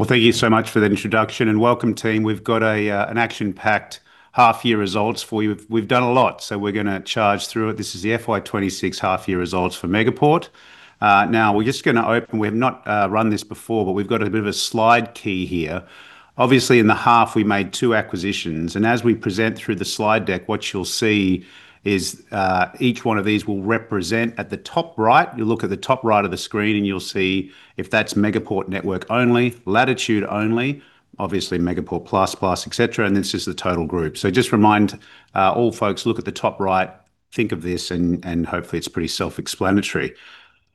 Well, thank you so much for that introduction, and welcome, team. We've got an action-packed half-year results for you. We've done a lot, so we're going to charge through it. This is the FY 26 half-year results for Megaport. Now, we're just going to open. We have not run this before, but we've got a bit of a slide key here. Obviously, in the half, we made two acquisitions, and as we present through the slide deck, what you'll see is each one of these will represent. At the top right, you'll look at the top right of the screen, and you'll see if that's Megaport Network only, Latitude only, obviously Megaport Plus, et cetera, and this is the total group. So just remind all folks, look at the top right, think of this, and hopefully it's pretty self-explanatory.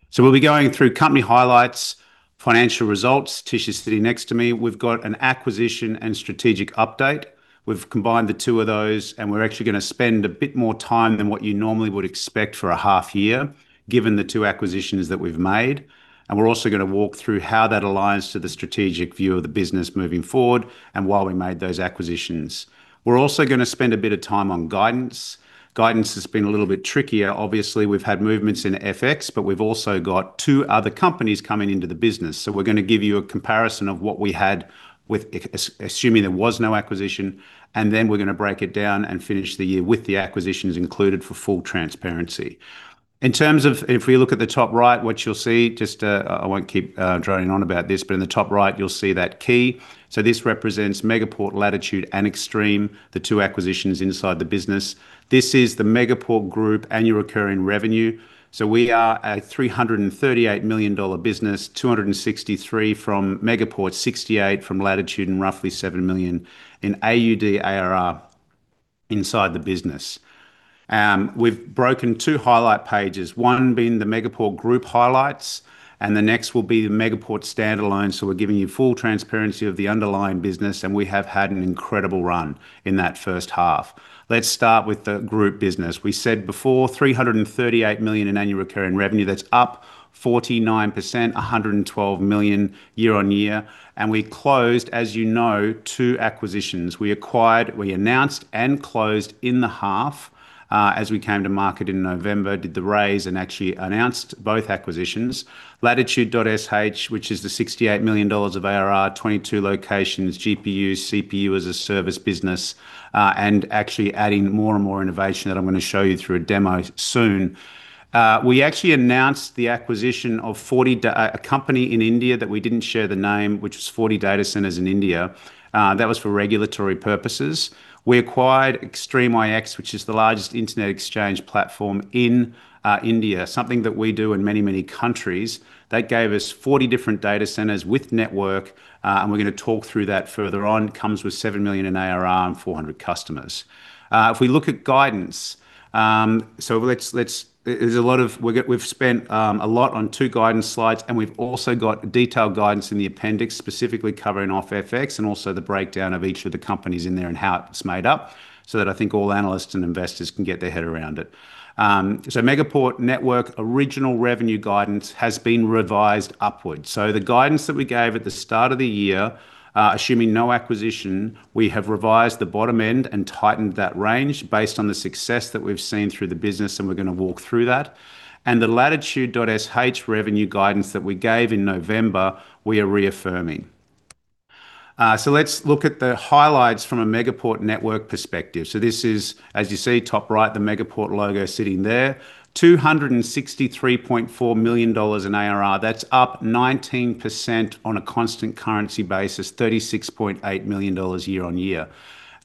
So we'll be going through company highlights, financial results. Tish is sitting next to me. We've got an acquisition and strategic update. We've combined the two of those, and we're actually going to spend a bit more time than what you normally would expect for a half year, given the two acquisitions that we've made. And we're also going to walk through how that aligns to the strategic view of the business moving forward and why we made those acquisitions. We're also going to spend a bit of time on guidance. Guidance has been a little bit trickier. Obviously, we've had movements in FX, but we've also got two other companies coming into the business. So we're going to give you a comparison of what we had with assuming there was no acquisition, and then we're going to break it down and finish the year with the acquisitions included for full transparency. In terms of, if we look at the top right, what you'll see, just, I won't keep droning on about this, but in the top right, you'll see that key. So this represents Megaport, Latitude, and Extreme, the two acquisitions inside the business. This is the Megaport Group annual recurring revenue. So we are a $338 million business, $263 million from Megaport, $68 million from Latitude, and roughly 7 million AUD in ARR inside the business. We've broken two highlight pages, one being the Megaport group highlights, and the next will be the Megaport standalone. So we're giving you full transparency of the underlying business, and we have had an incredible run in that first half. Let's start with the group business. We said before, 338 million in annual recurring revenue. That's up 49%, 112 million year-on-year, and we closed, as you know, 2 acquisitions. We acquired, we announced and closed in the half, as we came to market in November, did the raise, and actually announced both acquisitions. Latitude.sh, which is the $68 million of ARR, 22 locations, GPU, CPU-as-a-service business, and actually adding more and more innovation that I'm going to show you through a demo soon. We actually announced the acquisition of a company in India that we didn't share the name, which was 40 data centers in India. That was for regulatory purposes. We acquired Extreme IX, which is the largest internet exchange platform in India, something that we do in many, many countries. That gave us 40 different data centers with network, and we're going to talk through that further on. Comes with 7 million in ARR and 400 customers. If we look at guidance, so let's. There's a lot of-- we've spent a lot on two guidance slides, and we've also got detailed guidance in the appendix, specifically covering off FX and also the breakdown of each of the companies in there and how it's made up, so that I think all analysts and investors can get their head around it. So Megaport Network original revenue guidance has been revised upwards. The guidance that we gave at the start of the year, assuming no acquisition, we have revised the bottom end and tightened that range based on the success that we've seen through the business, and we're going to walk through that. The Latitude.sh revenue guidance that we gave in November, we are reaffirming. Let's look at the highlights from a Megaport Network perspective. This is, as you see, top right, the Megaport logo sitting there, 263.4 million dollars in ARR. That's up 19% on a constant currency basis, 36.8 million dollars year-on-year.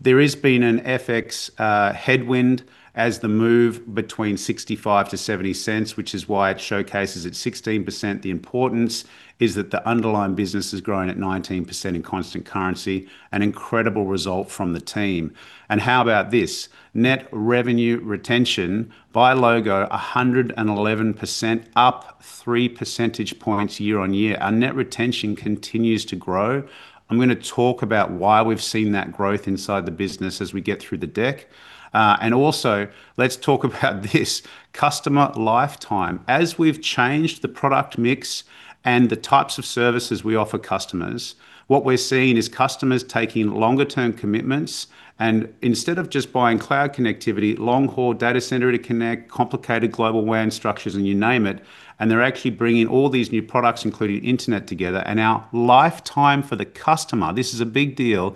There has been an FX headwind as the move between 65-70 cents, which is why it showcases at 16%. The importance is that the underlying business is growing at 19% in constant currency, an incredible result from the team. And how about this? Net revenue retention by logo, 111%, up three percentage points year-on-year. Our net retention continues to grow. I'm going to talk about why we've seen that growth inside the business as we get through the deck. And also, let's talk about this customer lifetime. As we've changed the product mix and the types of services we offer customers, what we're seeing is customers taking longer-term commitments, and instead of just buying cloud connectivity, long-haul data center to connect, complicated global WAN structures, and you name it, and they're actually bringing all these new products, including internet, together. Our lifetime for the customer, this is a big deal,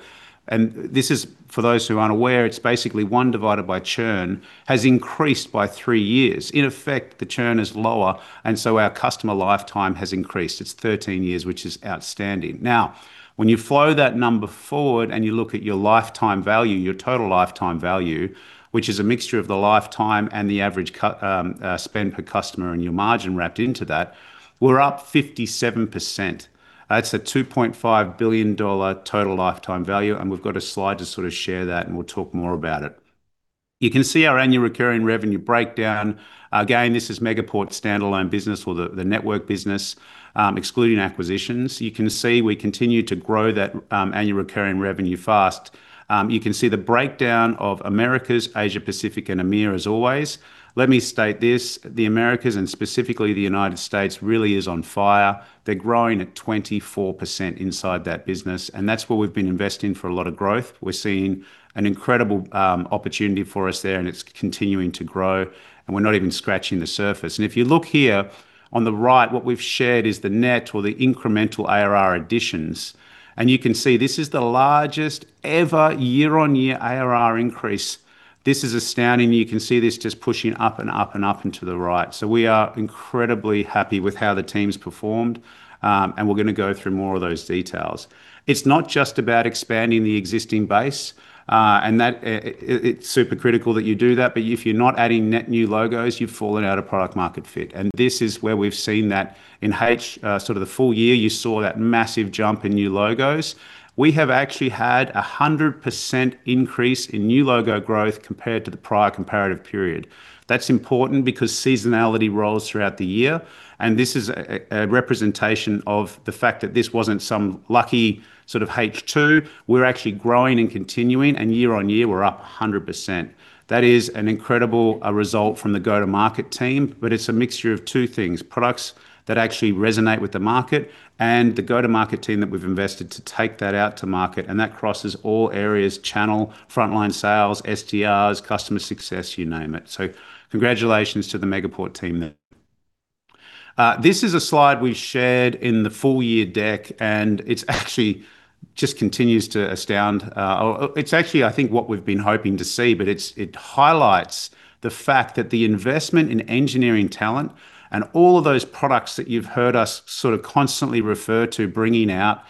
and this is, for those who are unaware, it's basically one divided by churn, has increased by 3 years. In effect, the churn is lower, and so our customer lifetime has increased. It's 13 years, which is outstanding. Now, when you flow that number forward and you look at your lifetime value, your total lifetime value, which is a mixture of the lifetime and the average spend per customer and your margin wrapped into that, we're up 57%. That's a $2.5 billion total lifetime value, and we've got a slide to sort of share that, and we'll talk more about it. You can see our annual recurring revenue breakdown. Again, this is Megaport's standalone business or the network business, excluding acquisitions. You can see we continue to grow that, annual recurring revenue fast. You can see the breakdown of Americas, Asia Pacific, and EMEA as always. Let me state this: the Americas, and specifically the United States, really is on fire. They're growing at 24% inside that business, and that's where we've been investing for a lot of growth. We're seeing an incredible, opportunity for us there, and it's continuing to grow, and we're not even scratching the surface. If you look here on the right, what we've shared is the net or the incremental ARR additions, and you can see this is the largest ever year-on-year ARR increase. This is astounding. You can see this just pushing up and up and up and to the right. So we are incredibly happy with how the team's performed, and we're going to go through more of those details. It's not just about expanding the existing base, and that it's super critical that you do that, but if you're not adding net new logos, you've fallen out of product market fit. And this is where we've seen that in H-- sort of the full year, you saw that massive jump in new logos. We have actually had a 100% increase in new logo growth compared to the prior comparative period. That's important because seasonality rolls throughout the year, and this is a representation of the fact that this wasn't some lucky sort of H2. We're actually growing and continuing, and year-on-year, we're up 100%. That is an incredible result from the go-to-market team, but it's a mixture of two things: products that actually resonate with the market and the go-to-market team that we've invested to take that out to market, and that crosses all areas: channel, frontline sales, SDRs, customer success, you name it. So congratulations to the Megaport team there. This is a slide we shared in the full-year deck, and it's actually just continues to astound. It's actually, I think, what we've been hoping to see, but it's, it highlights the fact that the investment in engineering talent and all of those products that you've heard us sort of constantly refer to bringing out,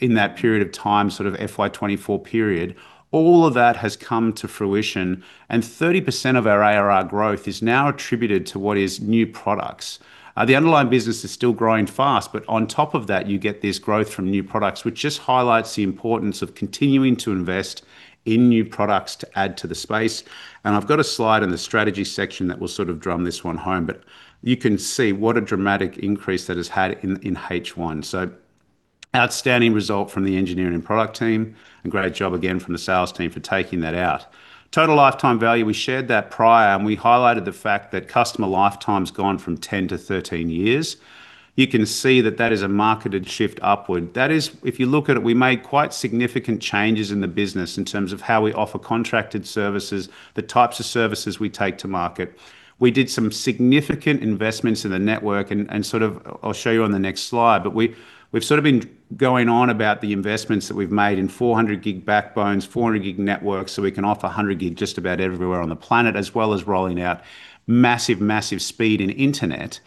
in that period of time, sort of FY 2024 period, all of that has come to fruition, and 30% of our ARR growth is now attributed to what is new products. The underlying business is still growing fast, but on top of that, you get this growth from new products, which just highlights the importance of continuing to invest in new products to add to the space. I've got a slide in the strategy section that will sort of drum this one home, but you can see what a dramatic increase that has had in H1. Outstanding result from the engineering and product team, and great job again from the sales team for taking that out. Total lifetime value, we shared that prior, and we highlighted the fact that customer lifetime's gone from 10 to 13 years. You can see that that is a marked shift upward. That is, if you look at it, we made quite significant changes in the business in terms of how we offer contracted services, the types of services we take to market. We did some significant investments in the network and, and sort of... I'll show you on the next slide. But we, we've sort of been going on about the investments that we've made in 400-gig backbones, 400-gig networks, so we can offer a 100-gig just about everywhere on the planet, as well as rolling out massive, massive speed in internet.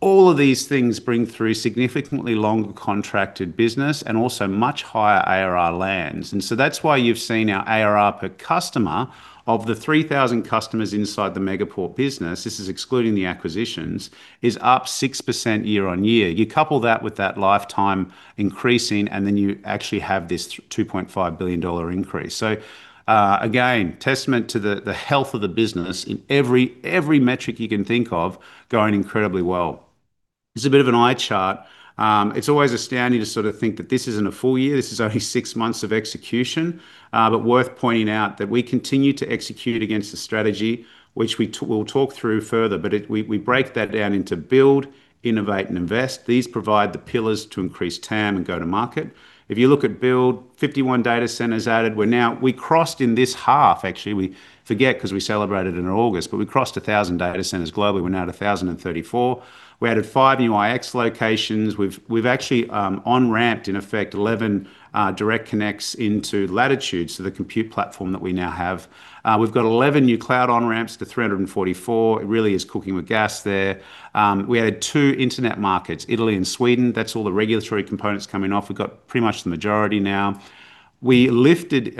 All of these things bring through significantly longer contracted business and also much higher ARR lands. And so that's why you've seen our ARR per customer, of the 3,000 customers inside the Megaport business, this is excluding the acquisitions, is up 6% year-on-year. You couple that with that lifetime increasing, and then you actually have this $2.5 billion increase. So, again, testament to the health of the business in every metric you can think of, going incredibly well. This is a bit of an eye chart. It's always astounding to sort of think that this isn't a full year. This is only six months of execution, but worth pointing out that we continue to execute against the strategy, which we'll talk through further, but we break that down into build, innovate, and invest. These provide the pillars to increase TAM and go to market. If you look at build, 51 data centers added. We're now. We crossed in this half, actually, we forget because we celebrated in August, but we crossed 1,000 data centers globally. We're now at 1,034. We added five IX locations. We've actually on-ramped, in effect, 11 direct connects into Latitude, so the compute platform that we now have. We've got 11 new cloud on-ramps to 344. It really is cooking with gas there. We added two internet markets, Italy and Sweden. That's all the regulatory components coming off. We've got pretty much the majority now. We lifted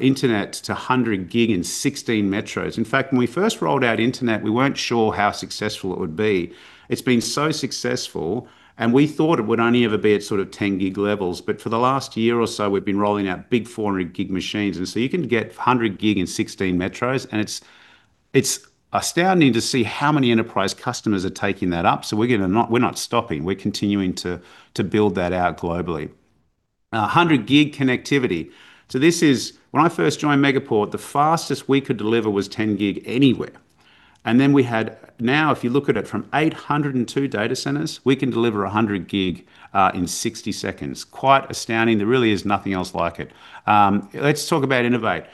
internet to 100 gig in 16 metros. In fact, when we first rolled out internet, we weren't sure how successful it would be. It's been so successful, and we thought it would only ever be at sort of 10 gig levels. But for the last year or so, we've been rolling out big 400-gig machines, and so you can get a 100 gig in 16 metros, and it's, it's astounding to see how many enterprise customers are taking that up. So we're gonna not-- we're not stopping. We're continuing to, to build that out globally. A 100-gig connectivity. So this is... When I first joined Megaport, the fastest we could deliver was 10 gig anywhere. And then we had-- now, if you look at it, from 802 data centers, we can deliver a 100 gig, in 60 seconds. Quite astounding. There really is nothing else like it. Let's talk about innovate.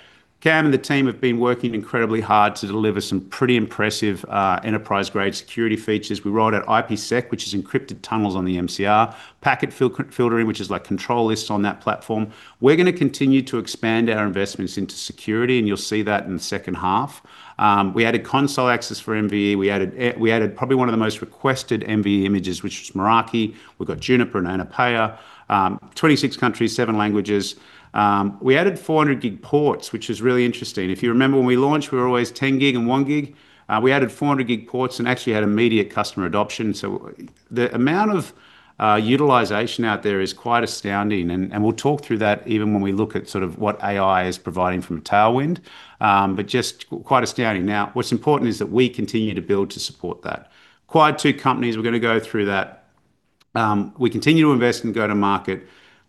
Cam and the team have been working incredibly hard to deliver some pretty impressive, enterprise-grade security features. We rolled out IPsec, which is encrypted tunnels on the MCR, packet filtering, which is like control lists on that platform. We're going to continue to expand our investments into security, and you'll see that in the second half. We added console access for MVE. We added, we added probably one of the most requested MVE images, which was Meraki. We've got Juniper and Aviatrix. 26 countries, seven languages. We added 400 gig ports, which is really interesting. If you remember, when we launched, we were always 10 gig and 1 gig. We added 400 gig ports and actually had immediate customer adoption. So the amount of, utilization out there is quite astounding, and, and we'll talk through that even when we look at sort of what AI is providing from a tailwind, but just quite astounding. Now, what's important is that we continue to build to support that. Acquired two companies, we're going to go through that. We continue to invest in go-to-market. We're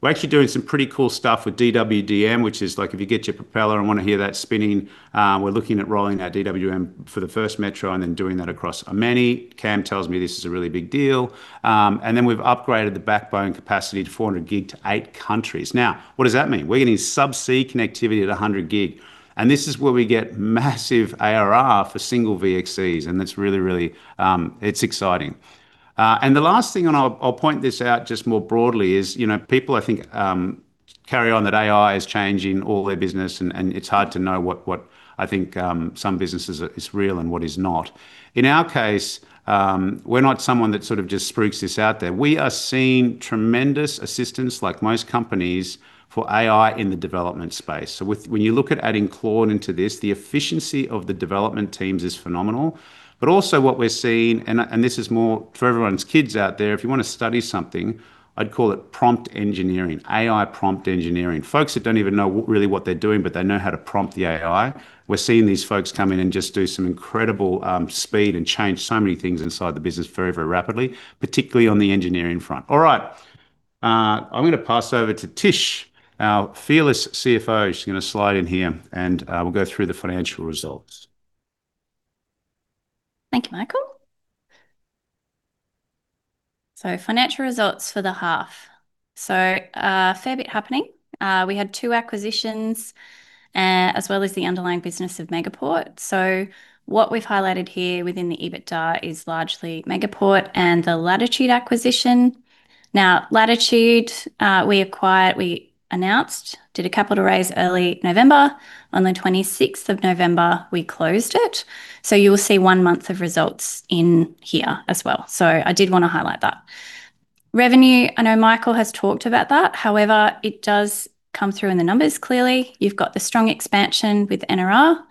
actually doing some pretty cool stuff with DWDM, which is like if you get your propeller and want to hear that spinning, we're looking at rolling out DWDM for the first metro and then doing that across many. Cam tells me this is a really big deal. And then we've upgraded the backbone capacity to 400 gig to 8 countries. Now, what does that mean? We're getting subsea connectivity at 100 gig, and this is where we get massive ARR for single VXCs, and it's really, really, it's exciting. And the last thing, and I'll point this out just more broadly, is, you know, people, I think, carry on that AI is changing all their business and, and it's hard to know what, what I think, some businesses is real and what is not. In our case, we're not someone that sort of just spruiks this out there. We are seeing tremendous assistance, like most companies, for AI in the development space. So when you look at adding Claude into this, the efficiency of the development teams is phenomenal. But also what we're seeing, and this is more for everyone's kids out there, if you want to study something, I'd call it prompt engineering, AI prompt engineering. Folks that don't even know what, really what they're doing, but they know how to prompt the AI. We're seeing these folks come in and just do some incredible speed and change so many things inside the business very, very rapidly, particularly on the engineering front. All right, I'm going to pass over to Tish, our fearless CFO. She's going to slide in here, and we'll go through the financial results. Thank you, Michael. So financial results for the half. So, a fair bit happening. We had two acquisitions, as well as the underlying business of Megaport. So what we've highlighted here within the EBITDA is largely Megaport and the Latitude acquisition. Now, Latitude, we acquired, we announced, did a capital raise early November. On the 26th of November, we closed it. So you will see one month of results in here as well. So I did want to highlight that. Revenue, I know Michael has talked about that. However, it does come through in the numbers clearly. You've got the strong expansion with NRR,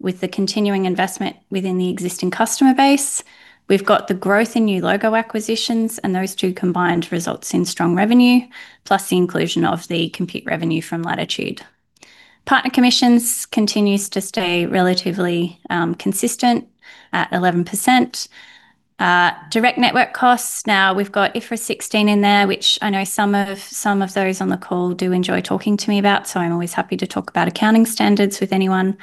with the continuing investment within the existing customer base. We've got the growth in new logo acquisitions, and those two combined results in strong revenue, plus the inclusion of the compute revenue from Latitude. Partner commissions continues to stay relatively consistent at 11%. Direct network costs, now we've got IFRS 16 in there, which I know some of those on the call do enjoy talking to me about, so I'm always happy to talk about accounting standards with anyone.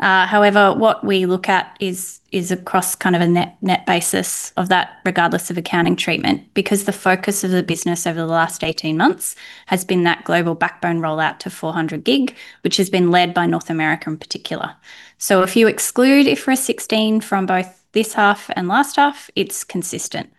However, what we look at is across kind of a net-net basis of that, regardless of accounting treatment, because the focus of the business over the last 18 months has been that global backbone rollout to 400 gig, which has been led by North America in particular. So if you exclude IFRS 16 from both this half and last half, it's consistent.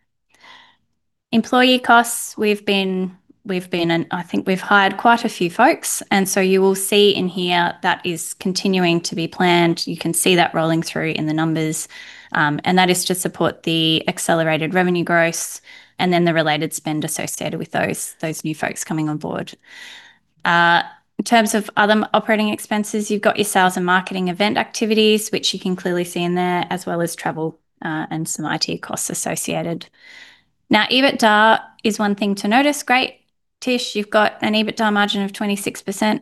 Employee costs, we've been, and I think we've hired quite a few folks, and so you will see in here that is continuing to be planned. You can see that rolling through in the numbers, and that is to support the accelerated revenue growth and then the related spend associated with those, those new folks coming on board. In terms of other operating expenses, you've got your sales and marketing event activities, which you can clearly see in there, as well as travel, and some IT costs associated. Now, EBITDA is one thing to notice. Great, Tish, you've got an EBITDA margin of 26%.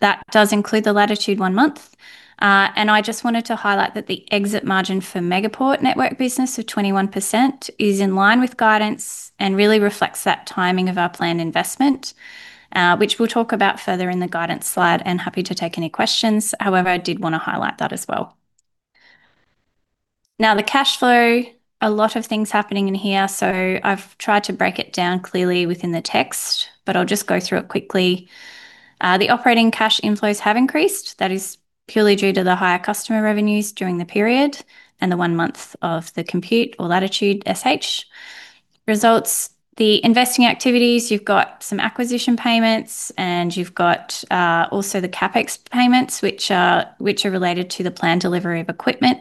That does include the Latitude one month. And I just wanted to highlight that the exit margin for Megaport network business of 21% is in line with guidance and really reflects that timing of our planned investment, which we'll talk about further in the guidance slide, and happy to take any questions. However, I did want to highlight that as well. Now, the cash flow, a lot of things happening in here, so I've tried to break it down clearly within the text, but I'll just go through it quickly. The operating cash inflows have increased. That is purely due to the higher customer revenues during the period and the one month of the Compute or Latitude.sh results. The investing activities, you've got some acquisition payments, and you've got also the CapEx payments, which are related to the planned delivery of equipment.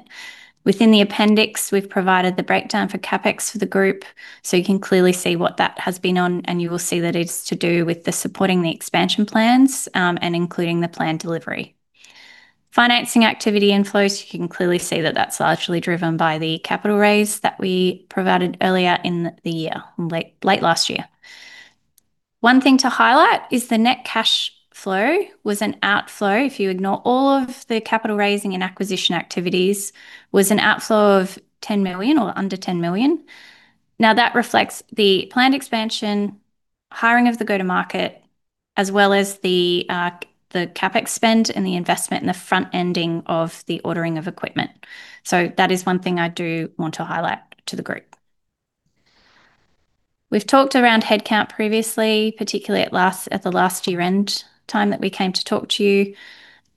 Within the appendix, we've provided the breakdown for CapEx for the group, so you can clearly see what that has been on, and you will see that it's to do with supporting the expansion plans, and including the planned delivery. Financing activity inflows, you can clearly see that that's largely driven by the capital raise that we provided earlier in the year, late, late last year. One thing to highlight is the net cash flow was an outflow, if you ignore all of the capital raising and acquisition activities, was an outflow of 10 million or under 10 million. Now, that reflects the planned expansion, hiring of the go-to-market, as well as the CapEx spend and the investment in the front-ending of the ordering of equipment. So that is one thing I do want to highlight to the group. We've talked around headcount previously, particularly at last, at the last year-end time that we came to talk to you.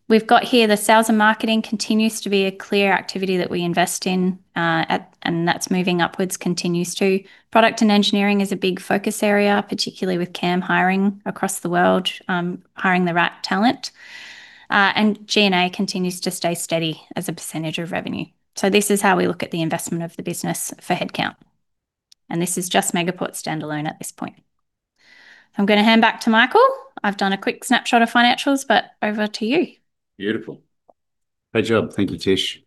We've got here the sales and marketing continues to be a clear activity that we invest in, at, and that's moving upwards, continues to. Product and engineering is a big focus area, particularly with Cam hiring across the world, hiring the right talent. G&A continues to stay steady as a percentage of revenue. This is how we look at the investment of the business for headcount, and this is just Megaport standalone at this point. I'm going to hand back to Michael. I've done a quick snapshot of financials, but over to you. Beautiful. Great job. Thank you, Tish.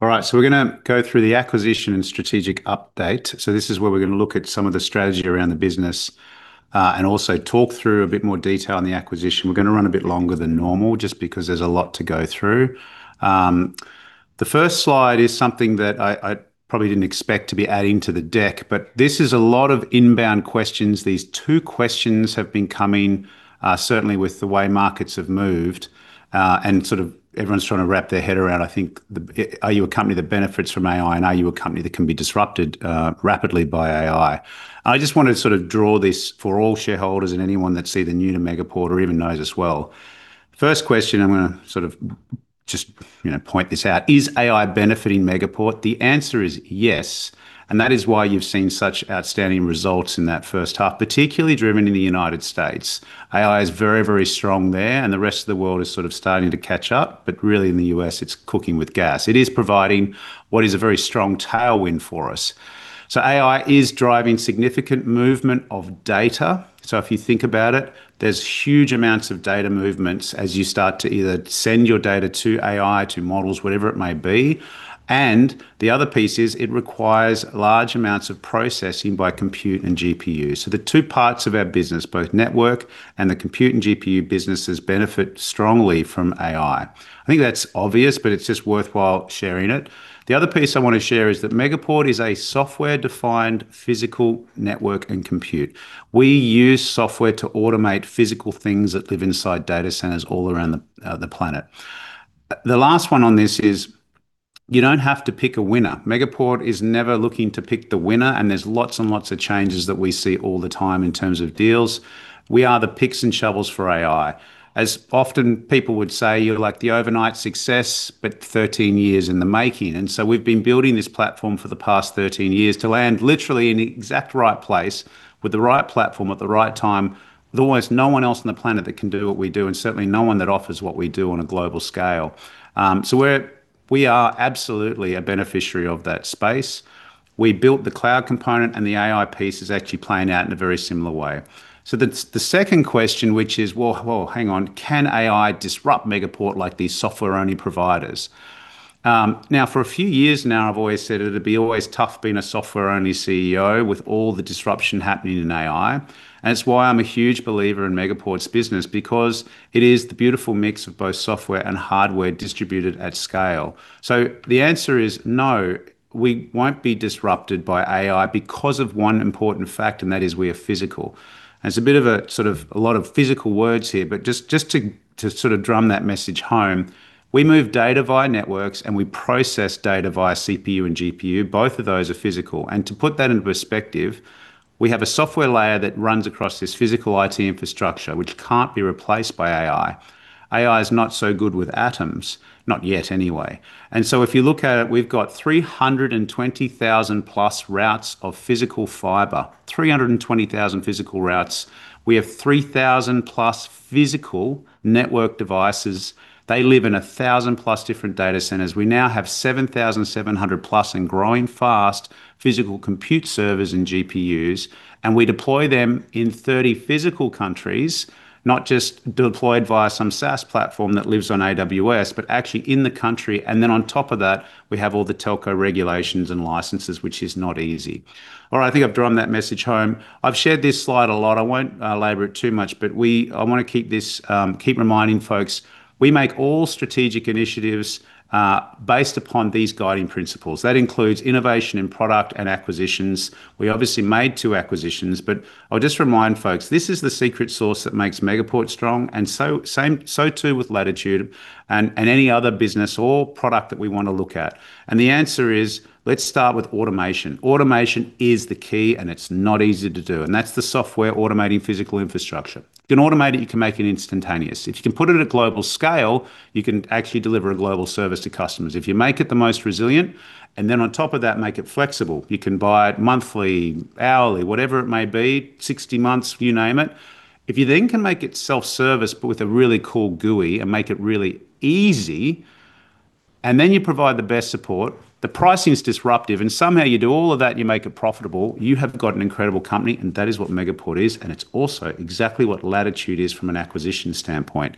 All right, so we're going to go through the acquisition and strategic update. So this is where we're going to look at some of the strategy around the business, and also talk through a bit more detail on the acquisition. We're gonna run a bit longer than normal, just because there's a lot to go through. The first slide is something that I, I probably didn't expect to be adding to the deck, but this is a lot of inbound questions. These two questions have been coming, certainly with the way markets have moved, and sort of everyone's trying to wrap their head around, I think, the, are you a company that benefits from AI, and are you a company that can be disrupted, rapidly by AI? I just wanted to sort of draw this for all shareholders and anyone that's either new to Megaport or even knows us well. First question, I'm gonna sort of just, you know, point this out: Is AI benefiting Megaport? The answer is yes, and that is why you've seen such outstanding results in that first half, particularly driven in the United States. AI is very, very strong there, and the rest of the world is sort of starting to catch up, but really, in the US, it's cooking with gas. It is providing what is a very strong tailwind for us. So AI is driving significant movement of data. So if you think about it, there's huge amounts of data movements as you start to either send your data to AI, to models, whatever it may be, and the other piece is it requires large amounts of processing by compute and GPU. So the two parts of our business, both network and the compute and GPU businesses, benefit strongly from AI. I think that's obvious, but it's just worthwhile sharing it. The other piece I want to share is that Megaport is a software-defined physical network and compute. We use software to automate physical things that live inside data centers all around the planet. The last one on this is you don't have to pick a winner. Megaport is never looking to pick the winner, and there's lots and lots of changes that we see all the time in terms of deals. We are the picks and shovels for AI. As often people would say, you're like the overnight success, but 13 years in the making, and so we've been building this platform for the past 13 years to land literally in the exact right place with the right platform at the right time. There's almost no one else on the planet that can do what we do, and certainly no one that offers what we do on a global scale. So we are absolutely a beneficiary of that space. We built the cloud component, and the AI piece is actually playing out in a very similar way. So the second question, which is, well, whoa, hang on, can AI disrupt Megaport like these software-only providers? Now, for a few years now, I've always said it'd be always tough being a software-only CEO with all the disruption happening in AI, and that's why I'm a huge believer in Megaport's business because it is the beautiful mix of both software and hardware distributed at scale. So the answer is no, we won't be disrupted by AI because of one important fact, and that is we are physical. And it's a bit of a, sort of, a lot of physical words here, but just to sort of drum that message home, we move data via networks, and we process data via CPU and GPU. Both of those are physical. And to put that into perspective, we have a software layer that runs across this physical IT infrastructure, which can't be replaced by AI. AI is not so good with atoms, not yet anyway. If you look at it, we've got 320,000+ routes of physical fiber, 320,000 physical routes. We have 3,000+ physical network devices. They live in 1,000+ different data centers. We now have 7,700+, and growing fast, physical compute servers and GPUs, and we deploy them in 30 physical countries, not just deployed via some SaaS platform that lives on AWS, but actually in the country, and then on top of that, we have all the telco regulations and licenses, which is not easy. All right, I think I've driven that message home. I've shared this slide a lot. I won't labor it too much, but we, I wanna keep this, keep reminding folks, we make all strategic initiatives based upon these guiding principles. That includes innovation in product and acquisitions. We obviously made 2 acquisitions, but I'll just remind folks, this is the secret sauce that makes Megaport strong, and so, same, so too with Latitude and, and any other business or product that we want to look at. The answer is, let's start with automation. Automation is the key, and it's not easy to do, and that's the software automating physical infrastructure. You can automate it, you can make it instantaneous. If you can put it at a global scale, you can actually deliver a global service to customers. If you make it the most resilient, and then on top of that, make it flexible, you can buy it monthly, hourly, whatever it may be, 60 months, you name it. If you then can make it self-service, but with a really cool GUI, and make it really easy, and then you provide the best support, the pricing is disruptive, and somehow you do all of that, and you make it profitable, you have got an incredible company, and that is what Megaport is, and it's also exactly what Latitude is from an acquisition standpoint.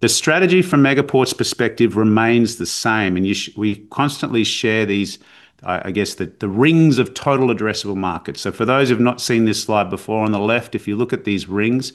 The strategy from Megaport's perspective remains the same, and we constantly share these, I guess, the rings of total addressable market. So for those who've not seen this slide before, on the left, if you look at these rings,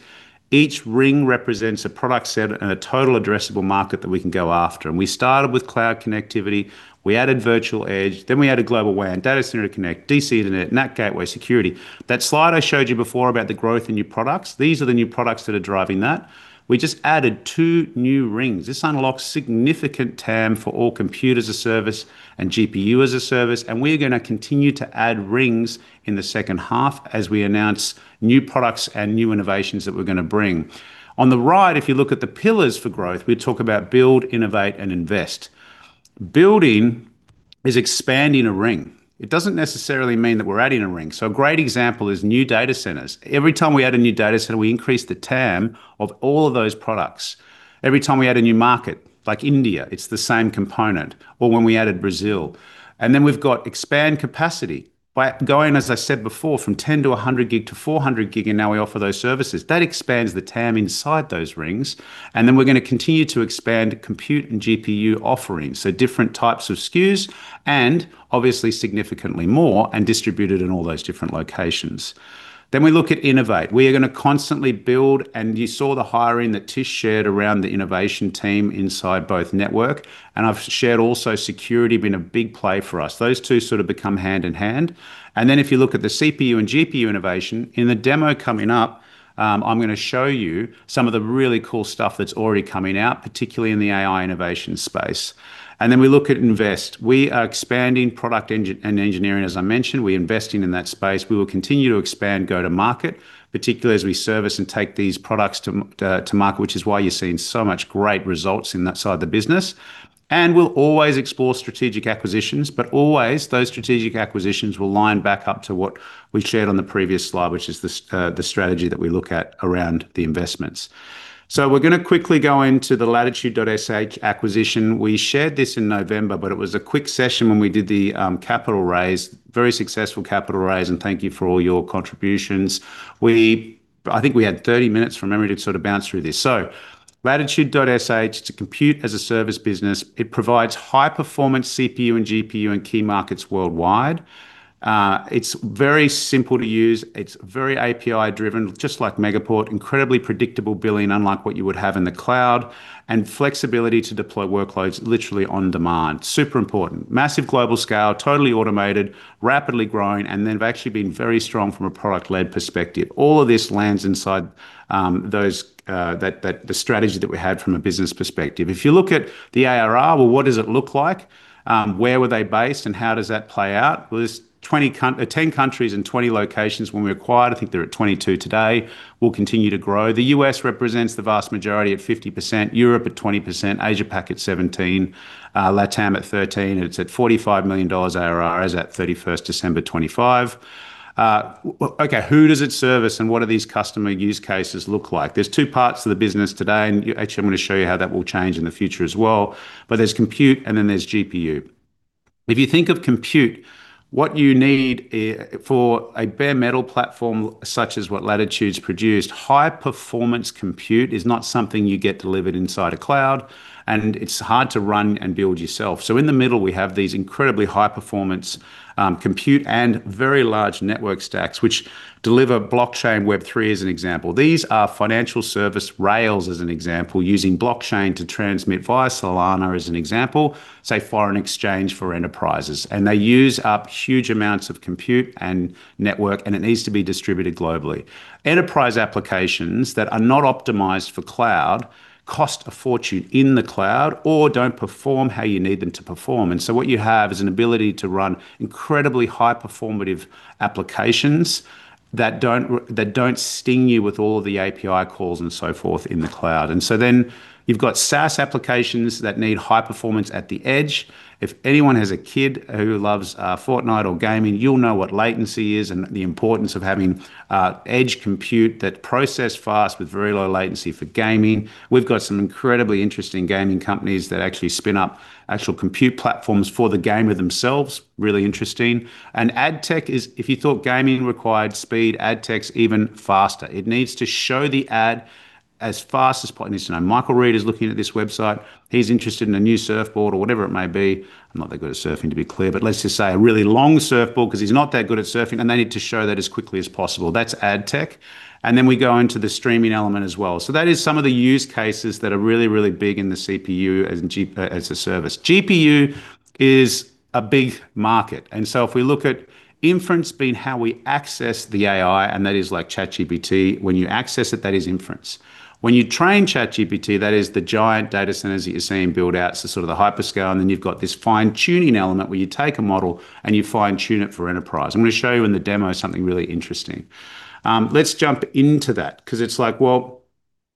each ring represents a product set and a total addressable market that we can go after, and we started with cloud connectivity, we added virtual edge, then we added global WAN, data center connect, DC Internet, NAT gateway security. That slide I showed you before about the growth in new products, these are the new products that are driving that. We just added two new rings. This unlocks significant TAM for all compute as a service and GPU as a service, and we are gonna continue to add rings in the second half as we announce new products and new innovations that we're gonna bring. On the right, if you look at the pillars for growth, we talk about build, innovate, and invest. Building is expanding a ring. It doesn't necessarily mean that we're adding a ring. So a great example is new data centers. Every time we add a new data center, we increase the TAM of all of those products. Every time we add a new market, like India, it's the same component, or when we added Brazil. And then we've got expand capacity by going, as I said before, from 10 to a hundred gig to 400 gig, and now we offer those services. That expands the TAM inside those rings, and then we're gonna continue to expand compute and GPU offerings, so different types of SKUs, and obviously significantly more, and distribute it in all those different locations. Then we look at innovate. We are going to constantly build, and you saw the hiring that Tish shared around the innovation team inside both network, and I've shared also security been a big play for us. Those two sort of become hand in hand. And then if you look at the CPU and GPU innovation, in the demo coming up, I'm going to show you some of the really cool stuff that's already coming out, particularly in the AI innovation space. Then we look at investments. We are expanding product engineering, as I mentioned. We're investing in that space. We will continue to expand go-to-market, particularly as we service and take these products to market, which is why you're seeing so much great results in that side of the business. We'll always explore strategic acquisitions, but always those strategic acquisitions will line back up to what we shared on the previous slide, which is the strategy that we look at around the investments. So we're going to quickly go into the Latitude.sh acquisition. We shared this in November, but it was a quick session when we did the capital raise, very successful capital raise, and thank you for all your contributions. I think we had 30 minutes from memory to sort of bounce through this. So Latitude.sh, it's a compute-as-a-service business. It provides high-performance CPU and GPU in key markets worldwide. It's very simple to use. It's very API-driven, just like Megaport, incredibly predictable billing, unlike what you would have in the cloud, and flexibility to deploy workloads literally on demand. Super important. Massive global scale, totally automated, rapidly growing, and then have actually been very strong from a product-led perspective. All of this lands inside those, that, that, the strategy that we had from a business perspective. If you look at the ARR, well, what does it look like? Where were they based, and how does that play out? Well, there's 10 countries and 20 locations when we acquired. I think they're at 22 today, will continue to grow. The US represents the vast majority at 50%, Europe at 20%, Asia Pac at 17%, LatAm at 13%, and it's at $45 million ARR as at 31 December 2025. Okay, who does it service, and what do these customer use cases look like? There's 2 parts to the business today, and actually, I'm going to show you how that will change in the future as well. But there's compute, and then there's GPU. If you think of compute, what you need for a bare metal platform, such as what Latitude's produced, high-performance compute is not something you get delivered inside a cloud, and it's hard to run and build yourself. So in the middle, we have these incredibly high-performance compute and very large network stacks, which deliver blockchain Web3, as an example. These are financial service rails, as an example, using blockchain to transmit via Solana, as an example, say, foreign exchange for enterprises. They use up huge amounts of compute and network, and it needs to be distributed globally. Enterprise applications that are not optimized for cloud cost a fortune in the cloud or don't perform how you need them to perform. What you have is an ability to run incredibly high-performative applications that don't sting you with all of the API calls and so forth in the cloud. So then you've got SaaS applications that need high performance at the edge. If anyone has a kid who loves Fortnite or gaming, you'll know what latency is and the importance of having edge compute that process fast with very low latency for gaming. We've got some incredibly interesting gaming companies that actually spin up actual compute platforms for the gamer themselves. Really interesting. And ad tech is. If you thought gaming required speed, ad tech's even faster. It needs to show the ad as fast as possible. It needs to know Michael Reid is looking at this website. He's interested in a new surfboard or whatever it may be. I'm not that good at surfing, to be clear, but let's just say a really long surfboard, 'cause he's not that good at surfing, and they need to show that as quickly as possible. That's ad tech. And then we go into the streaming element as well. So that is some of the use cases that are really, really big in the CPU as-a-service. GPU is a big market, and so if we look at inference being how we access the AI, and that is like ChatGPT, when you access it, that is inference. When you train ChatGPT, that is the giant data centers that you're seeing build out, so sort of the hyperscale, and then you've got this fine-tuning element, where you take a model and you fine-tune it for enterprise. I'm going to show you in the demo something really interesting. Let's jump into that, 'cause it's like, well,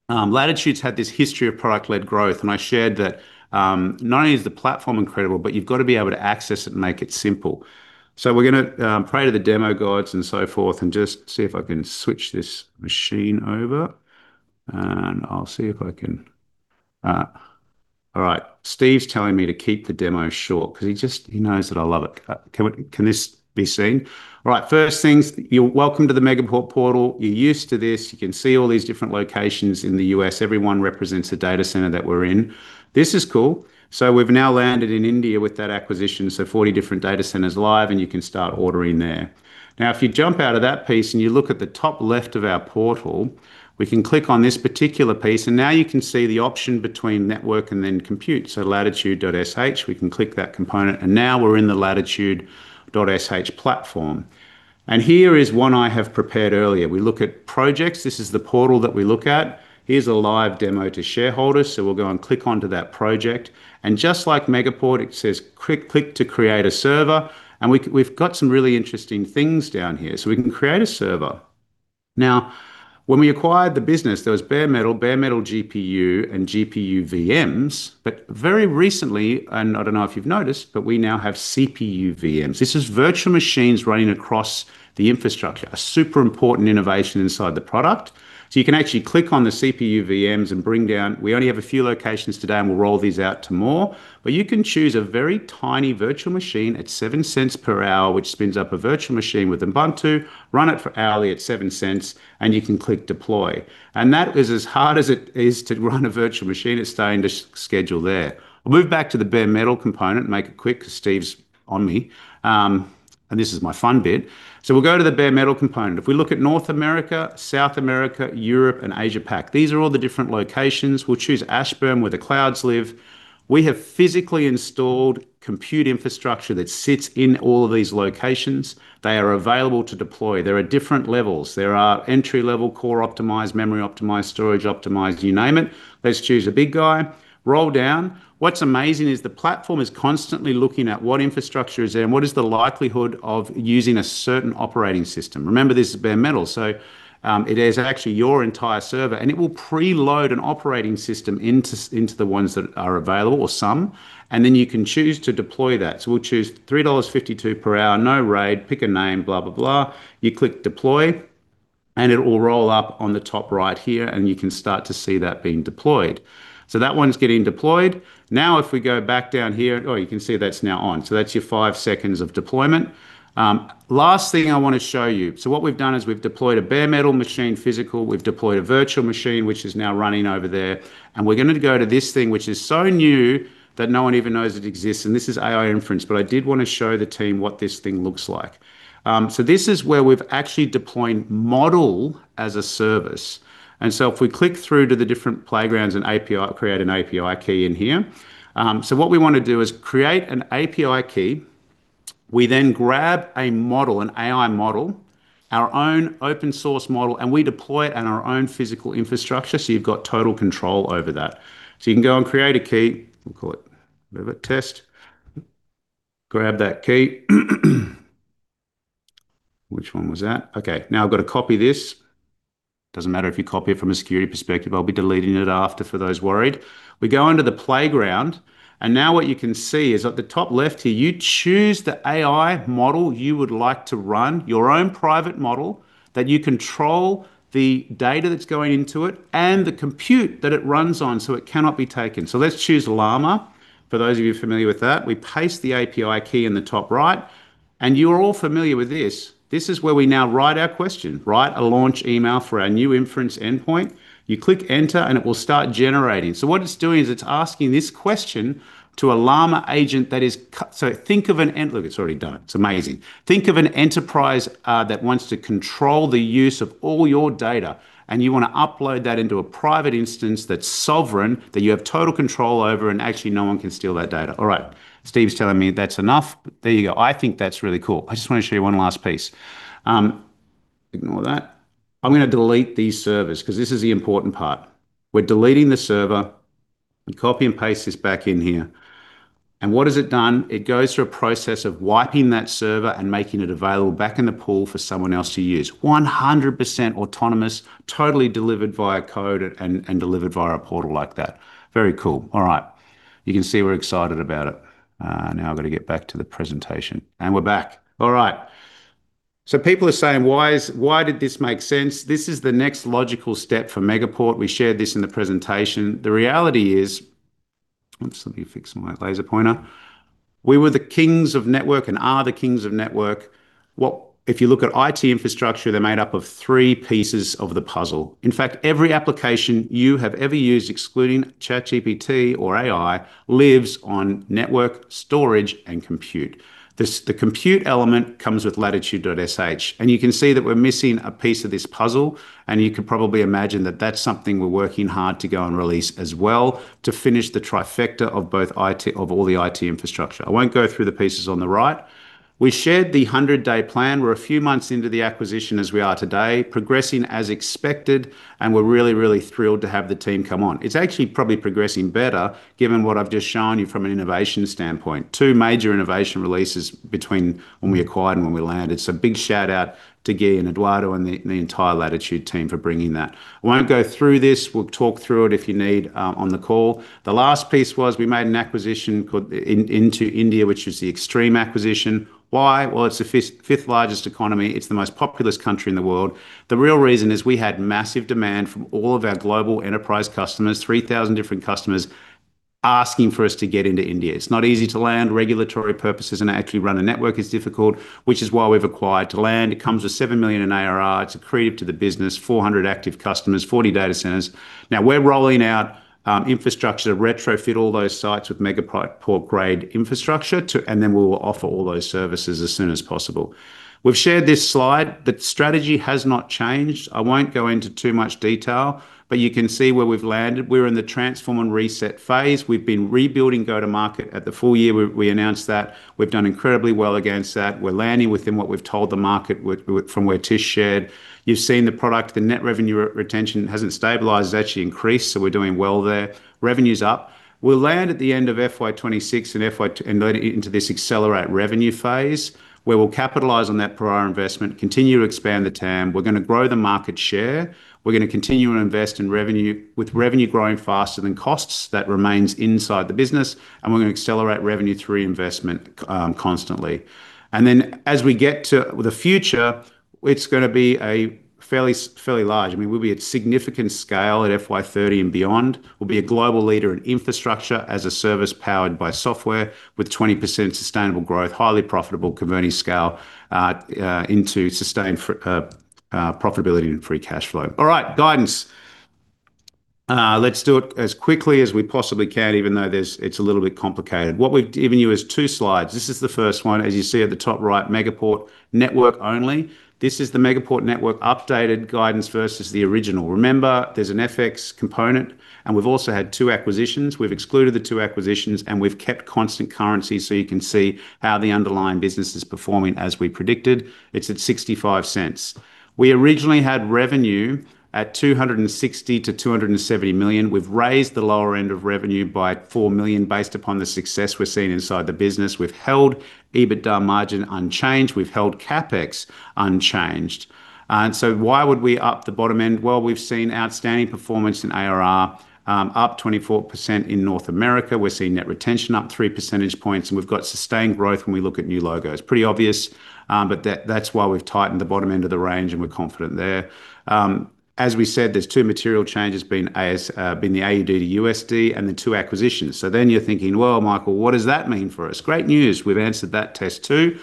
Latitude's had this history of product-led growth, and I shared that, not only is the platform incredible, but you've got to be able to access it and make it simple. So we're going to pray to the demo gods and so forth and just see if I can switch this machine over, and I'll see if I can. All right. Steve's telling me to keep the demo short 'cause he just, he knows that I love it. Can this be seen? All right, first things, you're welcome to the Megaport portal. You're used to this. You can see all these different locations in the U.S. Every one represents a data center that we're in. This is cool. So we've now landed in India with that acquisition, so 40 different data centers live, and you can start ordering there. Now, if you jump out of that piece and you look at the top left of our portal, we can click on this particular piece, and now you can see the option between network and then compute, so Latitude.sh, we can click that component, and now we're in the Latitude.sh platform. And here is one I have prepared earlier. We look at projects. This is the portal that we look at. Here's a live demo to shareholders, so we'll go and click onto that project. And just like Megaport, it says, "Quick click to create a server," and we've got some really interesting things down here. So we can create a server. Now, when we acquired the business, there was bare metal, bare metal GPU, and GPU VMs, but very recently, and I don't know if you've noticed, but we now have CPU VMs. This is virtual machines running across the infrastructure, a super important innovation inside the product. So you can actually click on the CPU VMs and bring down... We only have a few locations today, and we'll roll these out to more. But you can choose a very tiny virtual machine at $0.07 per hour, which spins up a virtual machine with Ubuntu, run it for hourly at $0.07, and you can click Deploy. That is as hard as it is to run a virtual machine. It's sticking to schedule there. I'll move back to the bare metal component and make it quick 'cause Steve's on me. And this is my fun bit. So we'll go to the bare metal component. If we look at North America, South America, Europe, and Asia Pac, these are all the different locations. We'll choose Ashburn, where the clouds live. We have physically installed compute infrastructure that sits in all of these locations. They are available to deploy. There are different levels. There are entry-level, core optimized, memory optimized, storage optimized, you name it. Let's choose a big guy. Scroll down. What's amazing is the platform is constantly looking at what infrastructure is there and what is the likelihood of using a certain operating system. Remember, this is bare metal, so it is actually your entire server, and it will preload an operating system into the ones that are available or some, and then you can choose to deploy that. So we'll choose $3.52 per hour, no RAID, pick a name, blah, blah, blah. You click Deploy, and it will roll up on the top right here, and you can start to see that being deployed. So that one's getting deployed. Now, if we go back down here... Oh, you can see that's now on. So that's your 5 seconds of deployment. Last thing I want to show you. So what we've done is we've deployed a bare metal machine, physical. We've deployed a virtual machine, which is now running over there, and we're going to go to this thing, which is so new that no one even knows it exists, and this is AI inference. But I did want to show the team what this thing looks like. So this is where we've actually deployed model as a service, and so if we click through to the different playgrounds and API, create an API key in here. So what we want to do is create an API key. We then grab a model, an AI model, our own open-source model, and we deploy it on our own physical infrastructure, so you've got total control over that. So you can go and create a key. We'll call it River Test. Grab that key. Which one was that? Okay, now I've got to copy this. Doesn't matter if you copy it from a security perspective, I'll be deleting it after for those worried. We go into the playground, and now what you can see is at the top left here, you choose the AI model you would like to run, your own private model, that you control the data that's going into it and the compute that it runs on, so it cannot be taken. So let's choose Llama, for those of you familiar with that. We paste the API key in the top right, and you are all familiar with this. This is where we now write our question. "Write a launch email for our new inference endpoint." You click Enter, and it will start generating. So what it's doing is it's asking this question to a Llama agent, so think of an end. Look, it's already done. It's amazing. Think of an enterprise that wants to control the use of all your data, and you want to upload that into a private instance that's sovereign, that you have total control over, and actually, no one can steal that data. All right. Steve's telling me that's enough. There you go. I think that's really cool. I just want to show you one last piece. Ignore that. I'm going to delete these servers because this is the important part. We're deleting the server. We copy and paste this back in here. And what has it done? It goes through a process of wiping that server and making it available back in the pool for someone else to use. 100% autonomous, totally delivered via code and delivered via a portal like that. Very cool. All right. You can see we're excited about it. Now I've got to get back to the presentation. And we're back. All right. So people are saying, "Why is- Why did this make sense?" This is the next logical step for Megaport. We shared this in the presentation. The reality is... Oops, let me fix my laser pointer. We were the kings of network and are the kings of network. What if you look at IT infrastructure, they're made up of three pieces of the puzzle. In fact, every application you have ever used, excluding ChatGPT or AI, lives on network, storage, and compute. This, the compute element comes with Latitude.sh, and you can see that we're missing a piece of this puzzle, and you can probably imagine that that's something we're working hard to go and release as well to finish the trifecta of both IT of all the IT infrastructure. I won't go through the pieces on the right. We shared the 100-day plan. We're a few months into the acquisition as we are today, progressing as expected, and we're really, really thrilled to have the team come on. It's actually probably progressing better, given what I've just shown you from an innovation standpoint. Two major innovation releases between when we acquired and when we landed. So big shout-out to Guy and Eduardo and the entire Latitude team for bringing that. I won't go through this. We'll talk through it if you need on the call. The last piece was we made an acquisition called Extreme into India, which is the Extreme acquisition. Why? Well, it's the fifth largest economy. It's the most populous country in the world. The real reason is we had massive demand from all of our global enterprise customers, 3,000 different customers, asking for us to get into India. It's not easy to land. Regulatory purposes and actually run a network is difficult, which is why we've acquired to land. It comes with 7 million in ARR. It's accretive to the business, 400 active customers, 40 data centers. Now, we're rolling out infrastructure to retrofit all those sites with Megaport-grade infrastructure to... And then we will offer all those services as soon as possible. We've shared this slide. The strategy has not changed. I won't go into too much detail, but you can see where we've landed. We're in the transform and reset phase. We've been rebuilding go-to-market. At the full year, we, we announced that. We've done incredibly well against that. We're landing within what we've told the market with. From where Tish shared. You've seen the product. The net revenue retention hasn't stabilized, it's actually increased, so we're doing well there. Revenue's up. We'll land at the end of FY 2026 and then into this accelerate revenue phase, where we'll capitalize on that prior investment, continue to expand the TAM. We're going to grow the market share. We're going to continue to invest in revenue, with revenue growing faster than costs. That remains inside the business, and we're going to accelerate revenue through investment, constantly. And then, as we get to the future, it's going to be a fairly large. I mean, we'll be at significant scale at FY 2030 and beyond. We'll be a global leader in infrastructure as a service powered by software with 20% sustainable growth, highly profitable, converting scale into sustained profitability and free cash flow. All right, guidance. Let's do it as quickly as we possibly can, even though it's a little bit complicated. What we've given you is two slides. This is the first one. As you see at the top right, Megaport network only. This is the Megaport network updated guidance versus the original. Remember, there's an FX component, and we've also had two acquisitions. We've excluded the two acquisitions, and we've kept constant currency, so you can see how the underlying business is performing. As we predicted, it's at 0.65. We originally had revenue at 260 million-270 million. We've raised the lower end of revenue by 4 million, based upon the success we're seeing inside the business. We've held EBITDA margin unchanged, we've held CapEx unchanged. Why would we up the bottom end? Well, we've seen outstanding performance in ARR, up 24% in North America. We're seeing net retention up 3 percentage points, and we've got sustained growth when we look at new logos. Pretty obvious, but that's why we've tightened the bottom end of the range, and we're confident there. As we said, there's two material changes, being the AUD to USD and the two acquisitions. So then you're thinking: "Well, Michael, what does that mean for us?" Great news, we've answered that test too.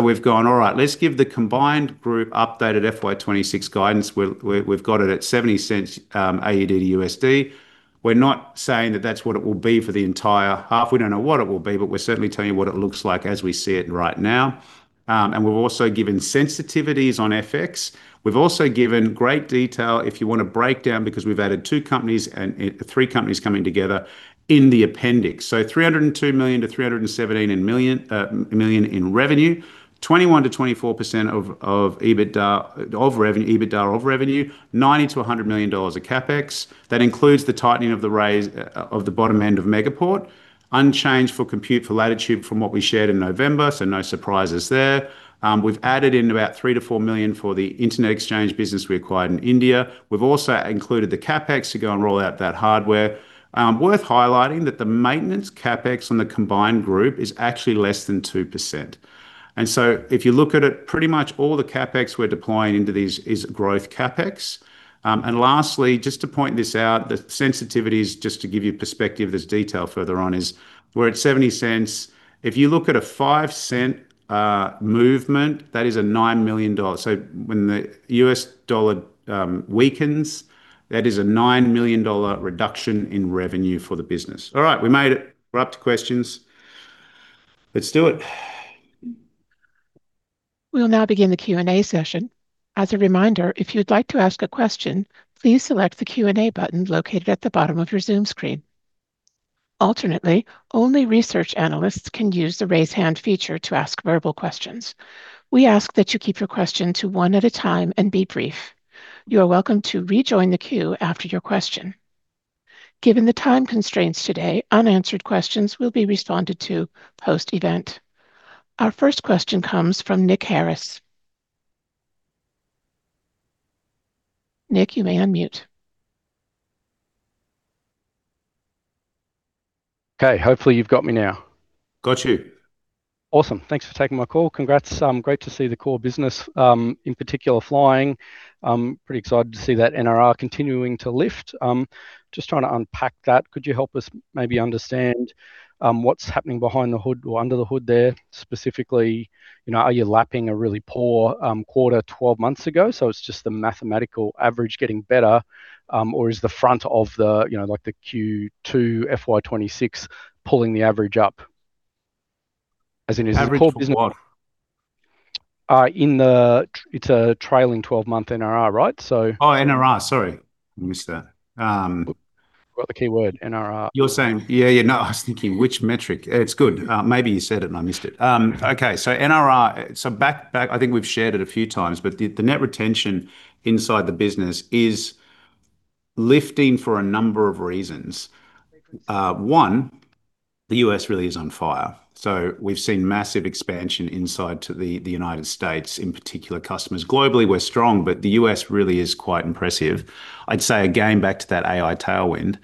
We've gone, all right, let's give the combined group updated FY 2026 guidance. We've got it at 0.70 AUD to USD. We're not saying that that's what it will be for the entire half. We don't know what it will be, but we're certainly telling you what it looks like as we see it right now. And we've also given sensitivities on FX. We've also given great detail, if you want a breakdown, because we've added two companies and three companies coming together in the appendix. So 302 million to 317 million in revenue, 21%-24% of EBITDA of revenue, 90 million-100 million dollars of CapEx. That includes the tightening of the range of the bottom end of Megaport. Unchanged for Compute to Latitude from what we shared in November, so no surprises there. We've added in about 3 million-4 million for the internet exchange business we acquired in India. We've also included the CapEx to go and roll out that hardware. Worth highlighting that the maintenance CapEx on the combined group is actually less than 2%. If you look at it, pretty much all the CapEx we're deploying into these is growth CapEx. And lastly, just to point this out, the sensitivities, just to give you perspective, there's detail further on, is we're at 0.70. If you look at a 0.05 movement, that is an 9 million dollars. So when the US dollar weakens, that is an 9 million dollar reduction in revenue for the business. All right, we made it. We're up to questions. Let's do it. We'll now begin the Q&A session. As a reminder, if you'd like to ask a question, please select the Q&A button located at the bottom of your Zoom screen. Alternatively, only research analysts can use the Raise Hand feature to ask verbal questions. We ask that you keep your question to one at a time and be brief. You are welcome to rejoin the queue after your question. Given the time constraints today, unanswered questions will be responded to post-event. Our first question comes from Nick Harris. Nick, you may unmute. Okay, hopefully you've got me now. Got you. Awesome. Thanks for taking my call. Congrats, great to see the core business, in particular, flying. I'm pretty excited to see that NRR continuing to lift. Just trying to unpack that, could you help us maybe understand, what's happening behind the hood or under the hood there? Specifically, you know, are you lapping a really poor, quarter 12 months ago, so it's just the mathematical average getting better? Or is the front of the, you know, like the Q2 FY 2026 pulling the average up, as in, is the core business- Average what? In the... It's a trailing twelve-month NRR, right? So- Oh, NRR. Sorry, I missed that. You got the key word, NRR. You're saying... Yeah, yeah, no, I was thinking which metric? It's good. Maybe you said it, and I missed it. Okay, so NRR, so back, back, I think we've shared it a few times, but the, the net retention inside the business is lifting for a number of reasons. One, the U.S. really is on fire, so we've seen massive expansion inside to the, the United States, in particular, customers. Globally, we're strong, but the U.S. really is quite impressive. I'd say again, back to that AI tailwind,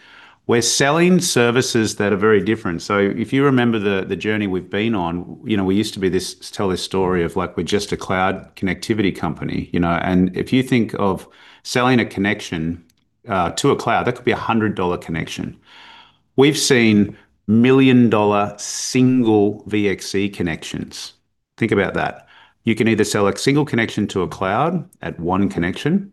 we're selling services that are very different. So if you remember the, the journey we've been on, you know, we used to be this, tell this story of, like, we're just a cloud connectivity company, you know, and if you think of selling a connection, to a cloud, that could be a $100 connection. We've seen million-dollar single VXC connections. Think about that. You can either sell a single connection to a cloud at 1 connection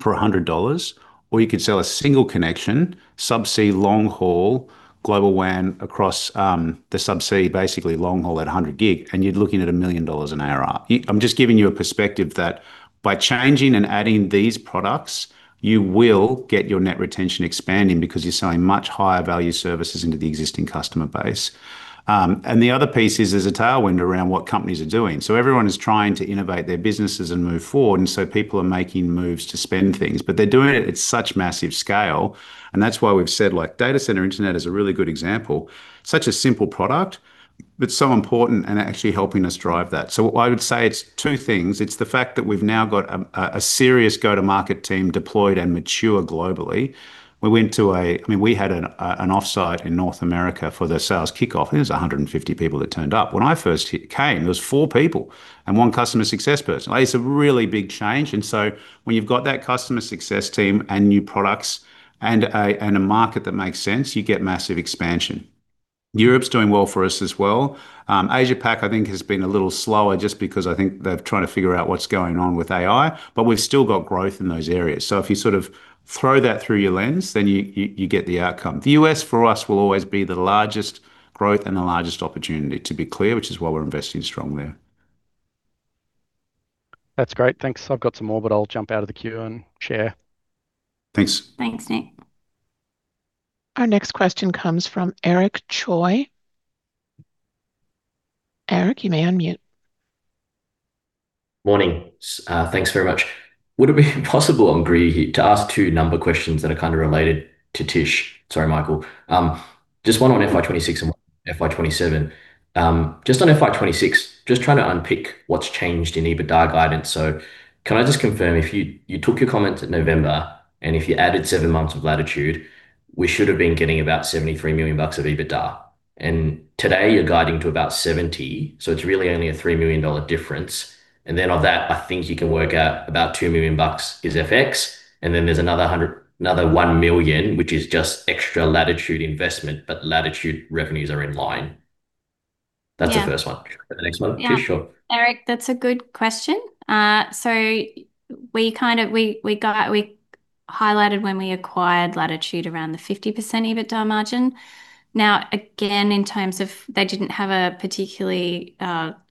for $100, or you could sell a single connection, subsea long haul, Global WAN across, the subsea, basically long haul at 100 gig, and you're looking at $1 million in NRR. I'm just giving you a perspective that by changing and adding these products, you will get your net retention expanding because you're selling much higher value services into the existing customer base. And the other piece is there's a tailwind around what companies are doing. So everyone is trying to innovate their businesses and move forward, and so people are making moves to spend things, but they're doing it at such massive scale, and that's why we've said, like, data center internet is a really good example. Such a simple product, but so important and actually helping us drive that. So what I would say, it's two things: It's the fact that we've now got a serious go-to-market team deployed and mature globally. We went to—I mean, we had an off-site in North America for the sales kickoff. There was 150 people that turned up. When I first came, there was 4 people and 1 customer success person. It's a really big change, and so when you've got that customer success team and new products and a market that makes sense, you get massive expansion. Europe's doing well for us as well. Asia Pac, I think, has been a little slower just because I think they're trying to figure out what's going on with AI, but we've still got growth in those areas. So if you sort of throw that through your lens, then you get the outcome. The U.S., for us, will always be the largest growth and the largest opportunity, to be clear, which is why we're investing strong there. That's great. Thanks. I've got some more, but I'll jump out of the queue and share. Thanks. Thanks, Nick. Our next question comes from Eric Choi. Eric, you may unmute. Morning. Thanks very much. Would it be possible, Agree, to ask two number questions that are kind of related to Tish? Sorry, Michael. Just one on FY 2026 and FY 2027. Just on FY 2026, just trying to unpick what's changed in EBITDA guidance. So can I just confirm, if you took your comments in November, and if you added seven months of Latitude, we should have been getting about $73 million of EBITDA, and today you're guiding to about 70, so it's really only a $3 million difference. And then of that, I think you can work out about $2 million is FX, and then there's another $1 million, which is just extra Latitude investment, but Latitude revenues are in line. Yeah. That's the first one. And the next one- Yeah sure. Eric, that's a good question. So we highlighted when we acquired Latitude around the 50% EBITDA margin. Now, again, in terms of they didn't have a particularly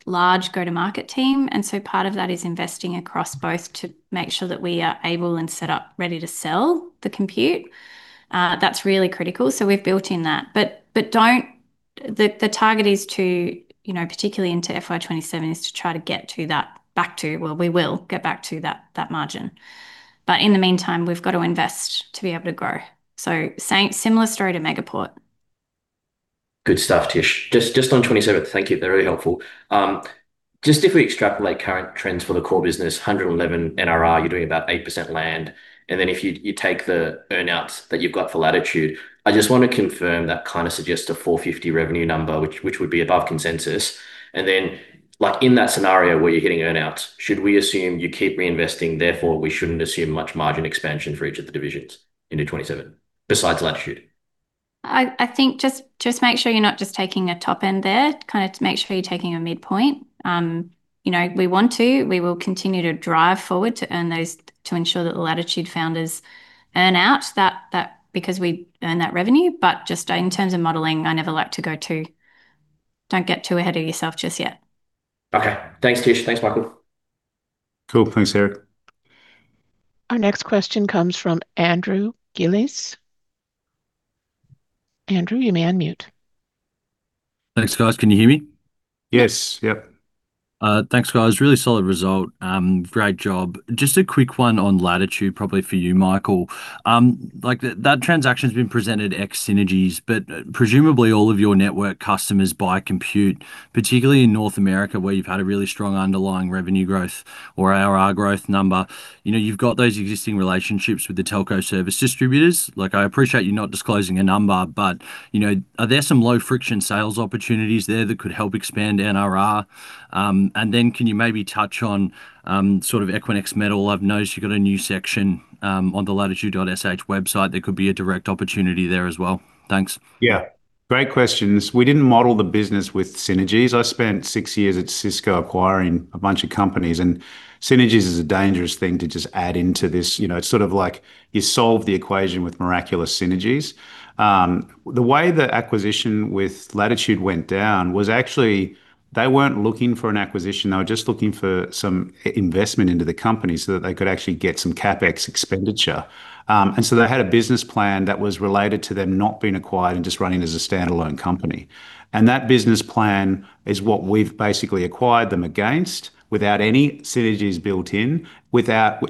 large go-to-market team, and so part of that is investing across both to make sure that we are able and set up ready to sell the compute. That's really critical, so we've built in that. But, but don't... The target is to, you know, particularly into FY 2027, is to try to get to that back to... Well, we will get back to that, that margin. But in the meantime, we've got to invest to be able to grow. So same similar story to Megaport. Good stuff, Tish. Just on 2027, thank you, they're really helpful. Just if we extrapolate current trends for the core business, 111 NRR, you're doing about 8% land, and then if you take the earn-outs that you've got for Latitude, I just want to confirm that kind of suggests a 450 revenue number, which would be above consensus. And then, like, in that scenario where you're getting earn-outs, should we assume you keep reinvesting, therefore, we shouldn't assume much margin expansion for each of the divisions into 2027, besides Latitude? I think just make sure you're not just taking a top end there, kind of to make sure you're taking a midpoint. You know, we want to, we will continue to drive forward to earn those, to ensure that the Latitude founders earn out that, that because we earn that revenue. But just in terms of modeling, I never like to go too, don't get too ahead of yourself just yet. Okay. Thanks, Tish. Thanks, Michael. Cool. Thanks, Eric. Our next question comes from Andrew Gillis. Andrew, you may unmute. Thanks, guys. Can you hear me? Yes. Yep. Thanks, guys. Really solid result. Great job. Just a quick one on Latitude, probably for you, Michael. Like, that transaction's been presented ex synergies, but presumably all of your network customers buy compute, particularly in North America, where you've had a really strong underlying revenue growth or ARR growth number. You know, you've got those existing relationships with the telco service distributors. Like, I appreciate you not disclosing a number, but, you know, are there some low-friction sales opportunities there that could help expand NRR? And then can you maybe touch on sort of Equinix Metal? I've noticed you've got a new section on the Latitude.sh website. There could be a direct opportunity there as well. Thanks. Yeah, great questions. We didn't model the business with synergies. I spent six years at Cisco acquiring a bunch of companies, and synergies is a dangerous thing to just add into this. You know, it's sort of like you solve the equation with miraculous synergies. The way the acquisition with Latitude went down was actually, they weren't looking for an acquisition, they were just looking for some investment into the company so that they could actually get some CapEx expenditure. And so they had a business plan that was related to them not being acquired and just running as a standalone company. And that business plan is what we've basically acquired them against, without any synergies built in,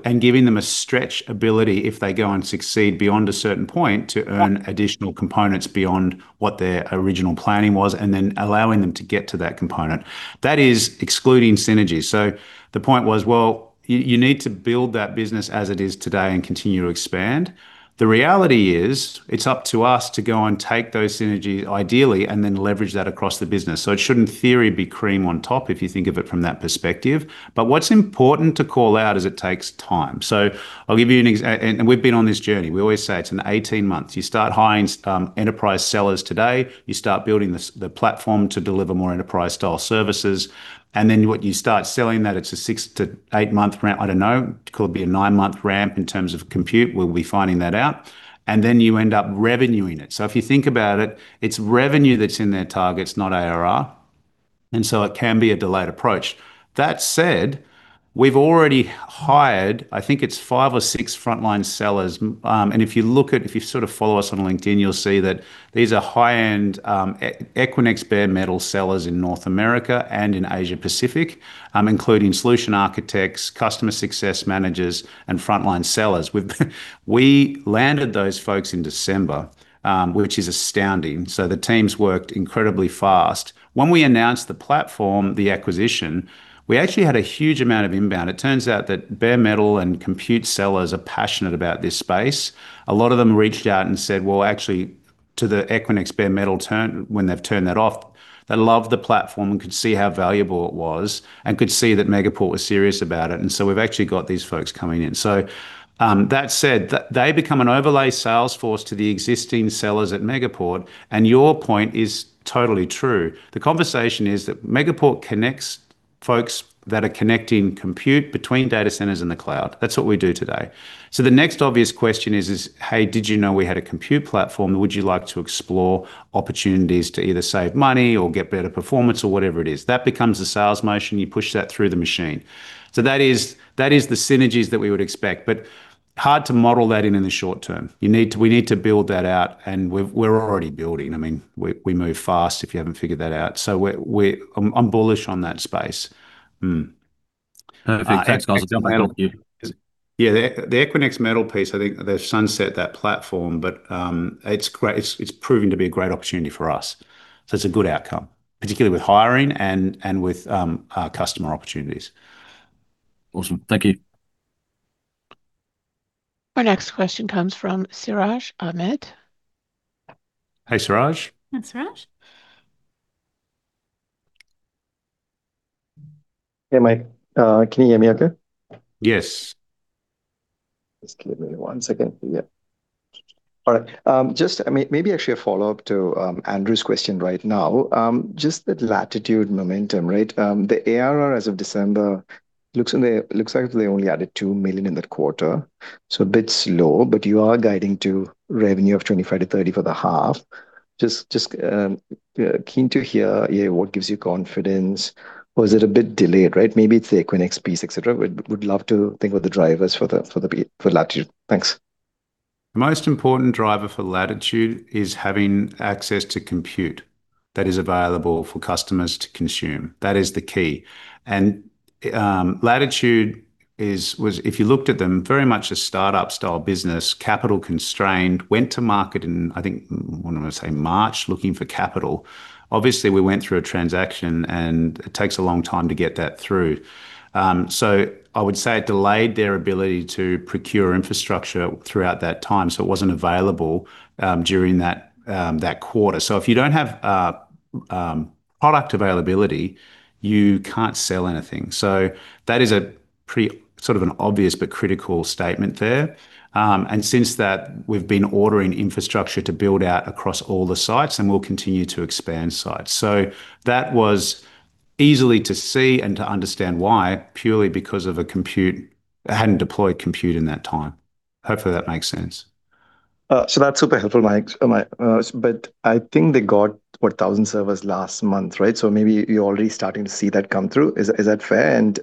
and giving them a stretch ability if they go and succeed beyond a certain point, to earn additional components beyond what their original planning was, and then allowing them to get to that component. That is excluding synergies. So the point was, well, you, you need to build that business as it is today and continue to expand. The reality is, it's up to us to go and take those synergies, ideally, and then leverage that across the business. So it should, in theory, be cream on top, if you think of it from that perspective. But what's important to call out is it takes time. So I'll give you an example, and we've been on this journey. We always say it's an 18 months. You start hiring, enterprise sellers today, you start building the platform to deliver more enterprise-style services, and then what you start selling that, it's a 6-8-month ramp, I don't know, could be a 9-month ramp in terms of compute. We'll be finding that out. And then you end up revenuing it. So if you think about it, it's revenue that's in their targets, not ARR, and so it can be a delayed approach. That said, we've already hired, I think it's 5 or 6 frontline sellers. And if you sort of follow us on LinkedIn, you'll see that these are high-end, Equinix bare metal sellers in North America and in Asia Pacific, including solution architects, customer success managers, and frontline sellers. We landed those folks in December, which is astounding. So the teams worked incredibly fast. When we announced the platform, the acquisition, we actually had a huge amount of inbound. It turns out that bare metal and compute sellers are passionate about this space. A lot of them reached out and said, "Well, actually," to the Equinix bare metal turn, when they've turned that off, they love the platform and could see how valuable it was, and could see that Megaport was serious about it. And so we've actually got these folks coming in. So, that said, they become an overlay sales force to the existing sellers at Megaport, and your point is totally true. The conversation is that Megaport connects folks that are connecting compute between data centers and the cloud. That's what we do today. So the next obvious question is: "Hey, did you know we had a compute platform? Would you like to explore opportunities to either save money or get better performance?" Or whatever it is. That becomes a sales motion, you push that through the machine. So that is the synergies that we would expect, but hard to model that in the short term. You need to—we need to build that out, and we're already building. I mean, we move fast, if you haven't figured that out. So we're... I'm bullish on that space. Mm. Perfect. Thanks, guys. I'll jump back on you. Yeah, the Equinix Metal piece, I think they've sunset that platform, but it's great. It's proving to be a great opportunity for us. So it's a good outcome, particularly with hiring and with our customer opportunities. Awesome. Thank you. Our next question comes from Siraj Ahmed. Hey, Siraj. Hi, Siraj. Hey, Mike. Can you hear me okay? Yes. Just give me one second. Yeah. All right, just, I mean, maybe actually a follow-up to Andrew's question right now. Just the Latitude momentum, right? The ARR, as of December, looks like they, looks like they only added 2 million in that quarter, so a bit slow, but you are guiding to revenue of 25 million-30 million for the half. Just, just, yeah, keen to hear, yeah, what gives you confidence, or is it a bit delayed, right? Maybe it's the Equinix piece, et cetera. Would, would love to think of the drivers for the, for Latitude. Thanks. The most important driver for Latitude is having access to compute that is available for customers to consume. That is the key. Latitude was, if you looked at them, very much a start-up style business, capital constrained, went to market in, I think, want to say March, looking for capital. Obviously, we went through a transaction, and it takes a long time to get that through. So I would say it delayed their ability to procure infrastructure throughout that time, so it wasn't available during that quarter. So if you don't have product availability, you can't sell anything. So that is a prerequisite sort of an obvious but critical statement there. Since that, we've been ordering infrastructure to build out across all the sites, and we'll continue to expand sites. That was easily to see and to understand why, purely because they hadn't deployed compute in that time. Hopefully, that makes sense. So that's super helpful, Mike. But I think they got, what, 1,000 servers last month, right? So maybe you're already starting to see that come through. Is that fair? And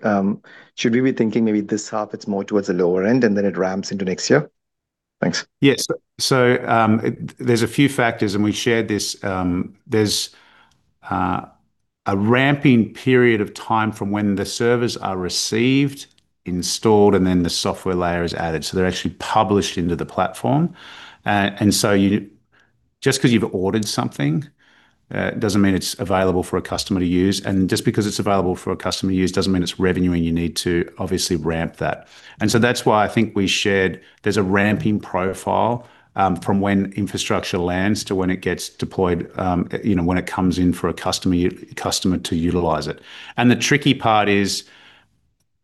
should we be thinking maybe this half, it's more towards the lower end, and then it ramps into next year? Thanks. Yes. So, there's a few factors, and we've shared this. There's a ramping period of time from when the servers are received, installed, and then the software layer is added, so they're actually published into the platform. And so just 'cause you've ordered something, doesn't mean it's available for a customer to use, and just because it's available for a customer to use, doesn't mean it's revenue, and you need to obviously ramp that. And so that's why I think we shared there's a ramping profile, from when infrastructure lands to when it gets deployed, you know, when it comes in for a customer to utilize it. And the tricky part is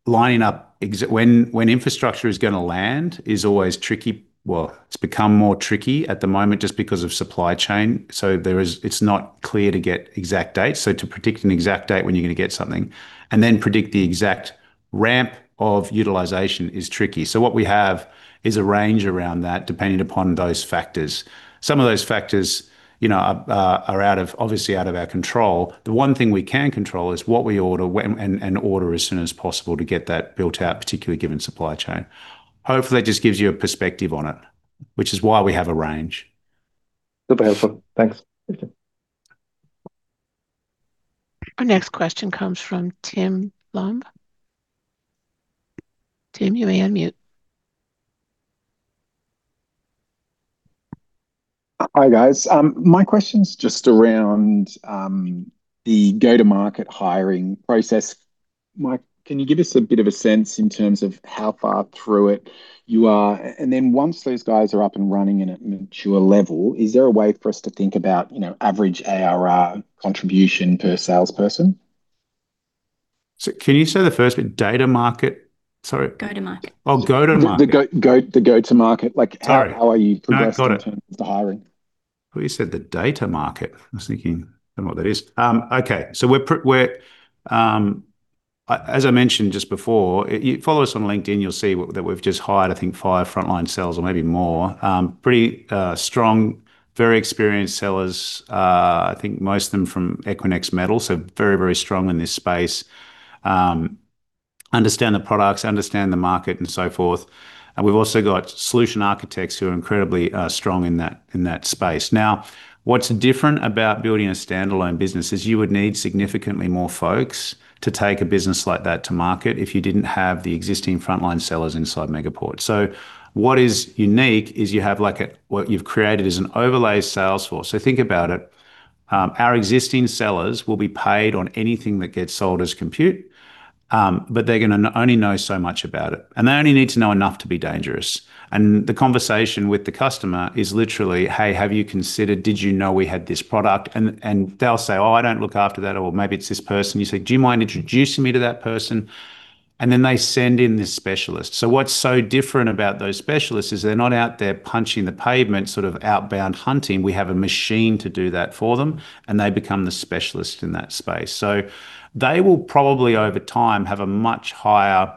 lining up when infrastructure is gonna land is always tricky. Well, it's become more tricky at the moment just because of supply chain, so it's not clear to get exact dates, so to predict an exact date when you're gonna get something and then predict the exact ramp of utilization is tricky. So what we have is a range around that, depending upon those factors. Some of those factors, you know, are obviously out of our control. The one thing we can control is what we order, when, and order as soon as possible to get that built out, particularly given supply chain. Hopefully, that just gives you a perspective on it, which is why we have a range. Super helpful. Thanks. Our next question comes from Tim Lumb. Tim, you may unmute. Hi, guys. My question's just around the go-to-market hiring process. Mike, can you give us a bit of a sense in terms of how far through it you are? And then once those guys are up and running in a mature level, is there a way for us to think about, you know, average ARR contribution per salesperson? So can you say the first bit? Data market? Sorry. Go-to-market. Oh, go-to-market. The go-to-market. Sorry. Like, how, how are you progressing- No, got it.... in terms of the hiring? Oh, you said the data market. I was thinking, I don't know what that is. Okay, so we're, as I mentioned just before, if you follow us on LinkedIn, you'll see that we've just hired, I think, five frontline sellers or maybe more. Pretty strong, very experienced sellers, I think most of them from Equinix Metal, so very, very strong in this space. Understand the products, understand the market, and so forth. And we've also got solution architects who are incredibly strong in that space. Now, what's different about building a standalone business is you would need significantly more folks to take a business like that to market if you didn't have the existing frontline sellers inside Megaport. So what is unique is you have, like, a, what you've created is an overlay sales force. Think about it, our existing sellers will be paid on anything that gets sold as compute, but they're gonna only know so much about it, and they only need to know enough to be dangerous. The conversation with the customer is literally: "Hey, have you considered... Did you know we had this product?" And they'll say: "Oh, I don't look after that," or, "Maybe it's this person." You say, "Do you mind introducing me to that person?"... and then they send in this specialist. What's so different about those specialists is they're not out there punching the pavement, sort of outbound hunting. We have a machine to do that for them, and they become the specialist in that space. So they will probably, over time, have a much higher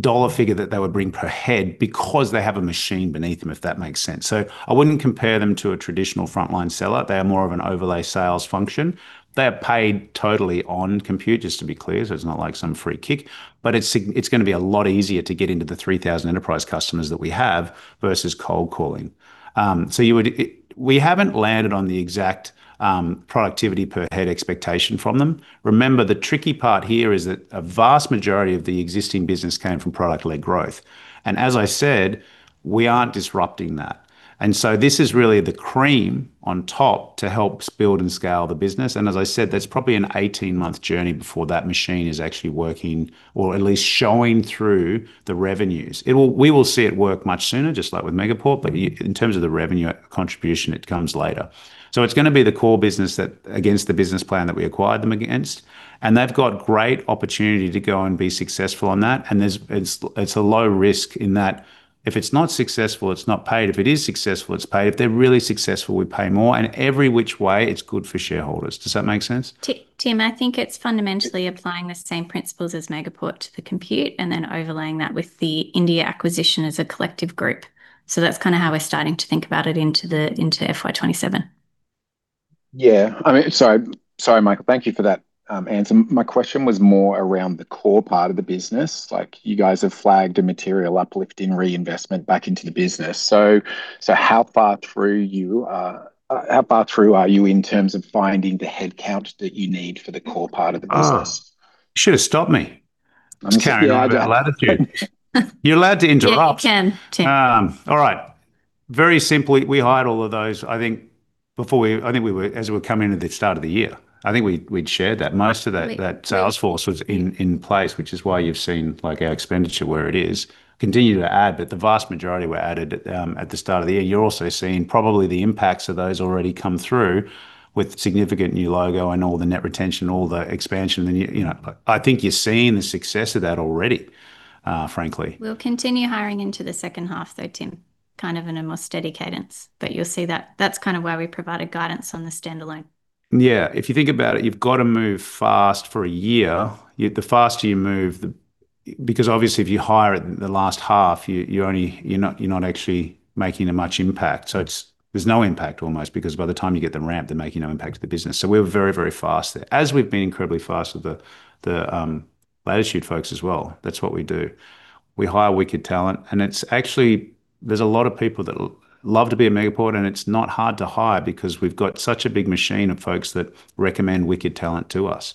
dollar figure that they would bring per head because they have a machine beneath them, if that makes sense. I wouldn't compare them to a traditional frontline seller. They are more of an overlay sales function. They are paid totally on compute, just to be clear, so it's not like some free kick, but it's gonna be a lot easier to get into the 3,000 enterprise customers that we have versus cold calling. So you would... We haven't landed on the exact productivity per head expectation from them. Remember, the tricky part here is that a vast majority of the existing business came from product-led growth, and as I said, we aren't disrupting that, and so this is really the cream on top to help build and scale the business. As I said, that's probably an 18-month journey before that machine is actually working or at least showing through the revenues. It will, we will see it work much sooner, just like with Megaport, but in terms of the revenue contribution, it comes later. So it's gonna be the core business that against the business plan that we acquired them against, and they've got great opportunity to go and be successful on that, and there's, it's, it's a low risk in that if it's not successful, it's not paid. If it is successful, it's paid. If they're really successful, we pay more, and every which way, it's good for shareholders. Does that make sense? Tim, I think it's fundamentally applying the same principles as Megaport to the compute and then overlaying that with the India acquisition as a collective group. So that's kind of how we're starting to think about it into FY 2027. Yeah. I mean, sorry, sorry, Michael. Thank you for that answer. My question was more around the core part of the business. Like, you guys have flagged a material uplift in reinvestment back into the business. So, so how far through you are, how far through are you in terms of finding the headcount that you need for the core part of the business? Oh! You should have stopped me. I'm sorry. I'm carrying on about Latitude. You're allowed to interrupt. Yeah, you can, Tim. All right. Very simply, we hired all of those, I think before we... I think we, we'd shared that. Most of that- Absolutely that sales force was in place, which is why you've seen, like, our expenditure where it is. Continue to add, but the vast majority were added at the start of the year. You're also seeing probably the impacts of those already come through with significant new logo and all the net retention, all the expansion, and, you know. I think you're seeing the success of that already, frankly. We'll continue hiring into the second half, though, Tim, kind of in a more steady cadence, but you'll see that's kind of why we provided guidance on the standalone. Yeah, if you think about it, you've got to move fast for a year. The faster you move, the... Because obviously, if you hire in the last half, you're not actually making that much impact. So there's almost no impact, because by the time you get them ramped, they make no impact to the business. So we're very, very fast there. As we've been incredibly fast with the Latitude folks as well. That's what we do. We hire wicked talent, and it's actually... There's a lot of people that love to be at Megaport, and it's not hard to hire because we've got such a big machine of folks that recommend wicked talent to us.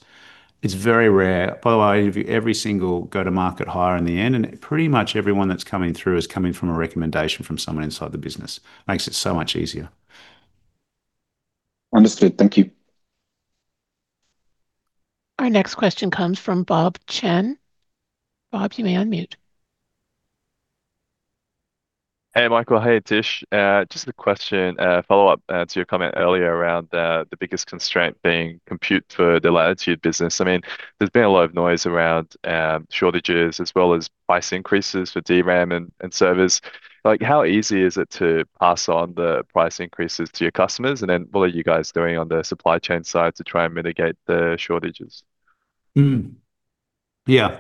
It's very rare. By the way, every single go-to-market hire in the end, and pretty much everyone that's coming through is coming from a recommendation from someone inside the business. Makes it so much easier. Understood. Thank you. Our next question comes from Bob Chen. Bob, you may unmute. Hey, Michael. Hey, Tish. Just a question, follow-up to your comment earlier around the biggest constraint being compute for the Latitude business. I mean, there's been a lot of noise around shortages as well as price increases for DRAM and servers. Like, how easy is it to pass on the price increases to your customers? And then, what are you guys doing on the supply chain side to try and mitigate the shortages? Yeah.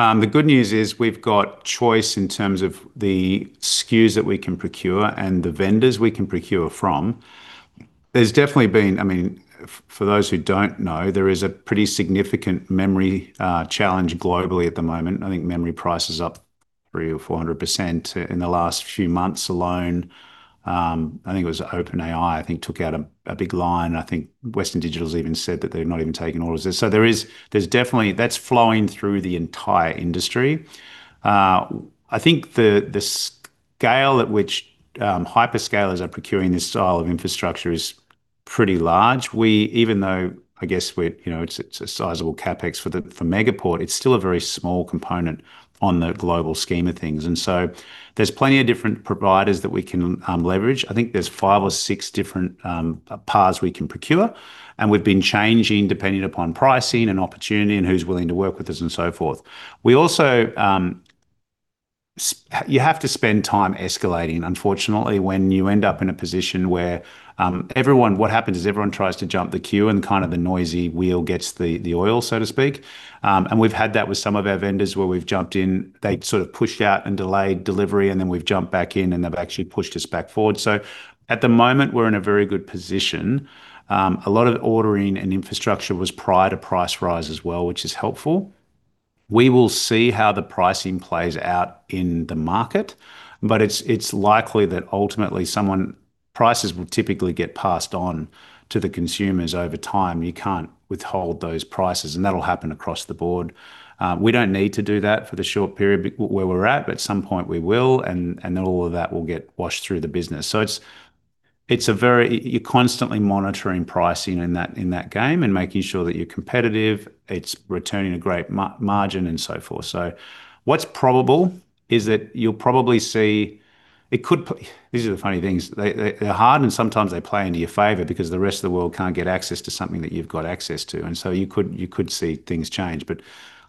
The good news is we've got choice in terms of the SKUs that we can procure and the vendors we can procure from. There's definitely been. I mean, for those who don't know, there is a pretty significant memory challenge globally at the moment. I think memory price is up 300%-400% in the last few months alone. I think it was OpenAI, I think, took out a big line. I think Western Digital's even said that they've not even taken orders. So there is, there's definitely. That's flowing through the entire industry. I think the scale at which hyperscalers are procuring this style of infrastructure is pretty large. Even though, I guess, we're, you know, it's a sizable CapEx for Megaport, it's still a very small component on the global scheme of things, and so there's plenty of different providers that we can leverage. I think there's five or six different paths we can procure, and we've been changing, depending upon pricing and opportunity and who's willing to work with us, and so forth. We also, you have to spend time escalating. Unfortunately, when you end up in a position where everyone... What happens is everyone tries to jump the queue, and kind of the noisy wheel gets the oil, so to speak. And we've had that with some of our vendors, where we've jumped in, they've sort of pushed out and delayed delivery, and then we've jumped back in, and they've actually pushed us back forward. So at the moment, we're in a very good position. A lot of ordering and infrastructure was prior to price rise as well, which is helpful. We will see how the pricing plays out in the market, but it's, it's likely that ultimately someone—prices will typically get passed on to the consumers over time. You can't withhold those prices, and that'll happen across the board. We don't need to do that for the short period b—where we're at, but at some point we will, and, and then all of that will get washed through the business. So it's, it's a very... You're constantly monitoring pricing in that, in that game and making sure that you're competitive. It's returning a great margin, and so forth. So what's probable is that you'll probably see... It could. These are the funny things. They, they, they're hard, and sometimes they play into your favor because the rest of the world can't get access to something that you've got access to, and so you could, you could see things change, but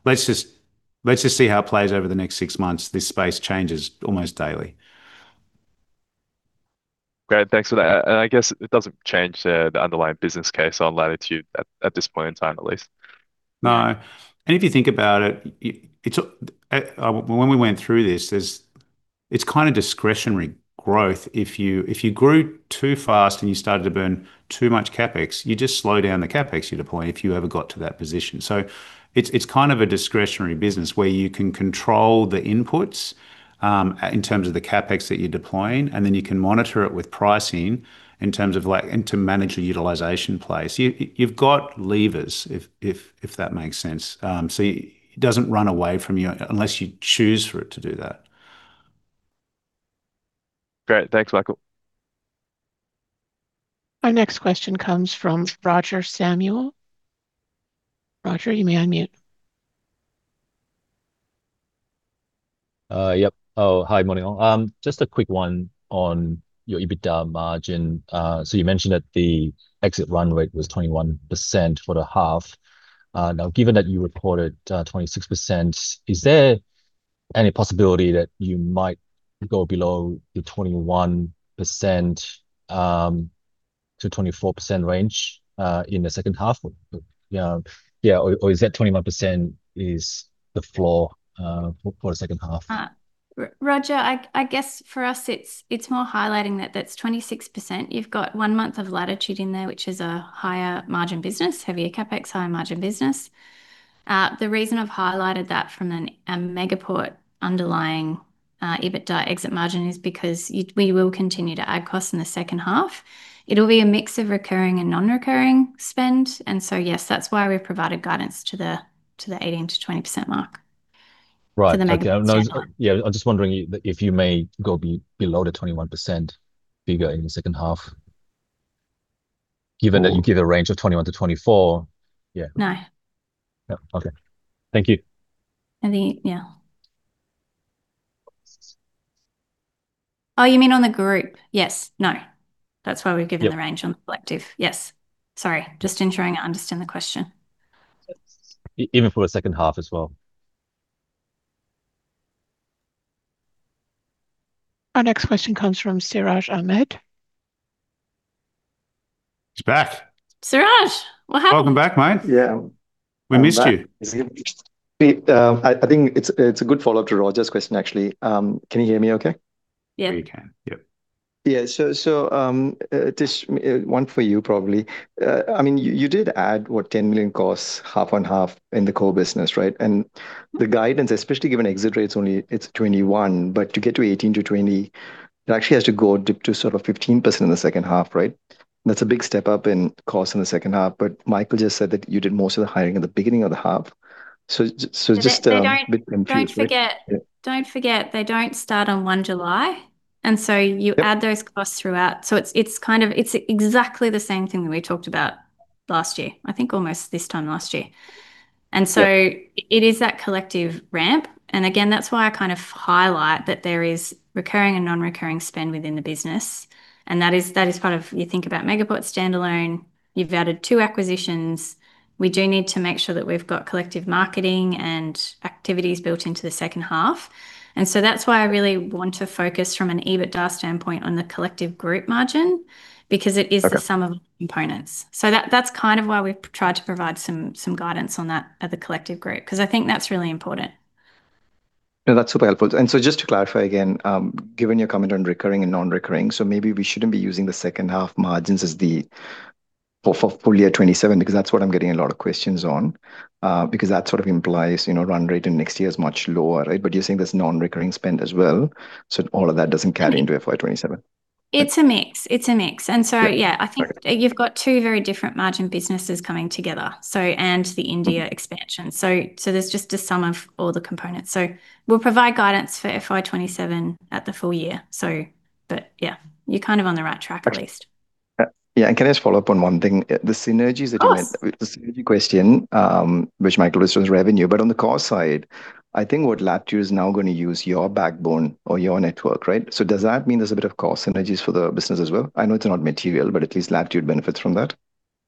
let's just... Let's just see how it plays over the next six months. This space changes almost daily. Great, thanks for that. And I guess it doesn't change the underlying business case on Latitude at this point in time, at least? No. And if you think about it, it, it's when we went through this, it's kind of discretionary growth. If you, if you grew too fast and you started to burn too much CapEx, you just slow down the CapEx you deploy, if you ever got to that position. So it's, it's kind of a discretionary business, where you can control the inputs in terms of the CapEx that you're deploying, and then you can monitor it with pricing in terms of, like, and to manage the utilization place. You, you've got levers, if that makes sense. So it doesn't run away from you, unless you choose for it to do that. Great. Thanks, Michael. Our next question comes from Roger Samuel. Roger, you may unmute. Yep. Oh, hi, morning all. Just a quick one on your EBITDA margin. So you mentioned that the exit run rate was 21% for the half. Now, given that you reported 26%, is there any possibility that you might go below the 21% to 24% range in the second half? Yeah, or is that 21% is the floor for the second half? Roger, I guess for us, it's more highlighting that that's 26%. You've got one month of Latitude in there, which is a higher margin business, heavier CapEx, higher margin business. The reason I've highlighted that from a Megaport underlying EBITDA exit margin is because we will continue to add costs in the second half. It'll be a mix of recurring and non-recurring spend, and so yes, that's why we've provided guidance to the 18%-20% mark- Right - for the Megaport. Okay. No, yeah, I'm just wondering if you may go below the 21% figure in the second half, given that you give a range of 21%-24%. Yeah. No. Yeah. Okay. Thank you. I think, yeah. Oh, you mean on the group? Yes. No, that's why we've given the- Yep range on collective. Yes. Sorry, just ensuring I understand the question. Even for the second half as well. Our next question comes from Suraj Ahmed. He's back! Suraj, what happened? Welcome back, mate. Yeah. We missed you. I'm back. I think it's a good follow-up to Roger's question, actually. Can you hear me okay? Yeah. We can. Yep. Yeah, Tish, one for you probably. I mean, you did add, what? 10 million costs, half on half in the core business, right? The guidance, especially given exit rate's only 21%, but to get to 18%-20%, it actually has to go dip to sort of 15% in the second half, right? That's a big step up in cost in the second half, but Michael just said that you did most of the hiring at the beginning of the half. But they don't- A bit confused, right? Don't forget- Yeah don't forget, they don't start on 1 July, and so you- Yep add those costs throughout. So it's, it's kind of, it's exactly the same thing that we talked about last year, I think almost this time last year. Yep. And so it is that collective ramp, and again, that's why I kind of highlight that there is recurring and non-recurring spend within the business, and that is, that is part of... You think about Megaport standalone, you've added two acquisitions. We do need to make sure that we've got collective marketing and activities built into the second half. And so that's why I really want to focus from an EBITDA standpoint on the collective group margin, because it is- Okay the sum of components. So that, that's kind of why we've tried to provide some guidance on that at the collective group, 'cause I think that's really important. Yeah, that's super helpful. So just to clarify again, given your comment on recurring and non-recurring, so maybe we shouldn't be using the second half margins as the... or for full year 2027, because that's what I'm getting a lot of questions on. Because that sort of implies, you know, run rate in next year is much lower, right? But you're saying there's non-recurring spend as well, so all of that doesn't carry into FY 2027. It's a mix. It's a mix. Yeah. And so, yeah— Got it I think you've got two very different margin businesses coming together, so, and the India expansion. So there's just a sum of all the components. So we'll provide guidance for FY 2027 at the full year. So, but yeah, you're kind of on the right track at least. Okay. Yeah, and can I just follow up on one thing? The synergies that you made- Of course the synergy question, which Michael addressed, was revenue. But on the cost side, I think what Latitude is now going to use your backbone or your network, right? So does that mean there's a bit of cost synergies for the business as well? I know it's not material, but at least Latitude benefits from that.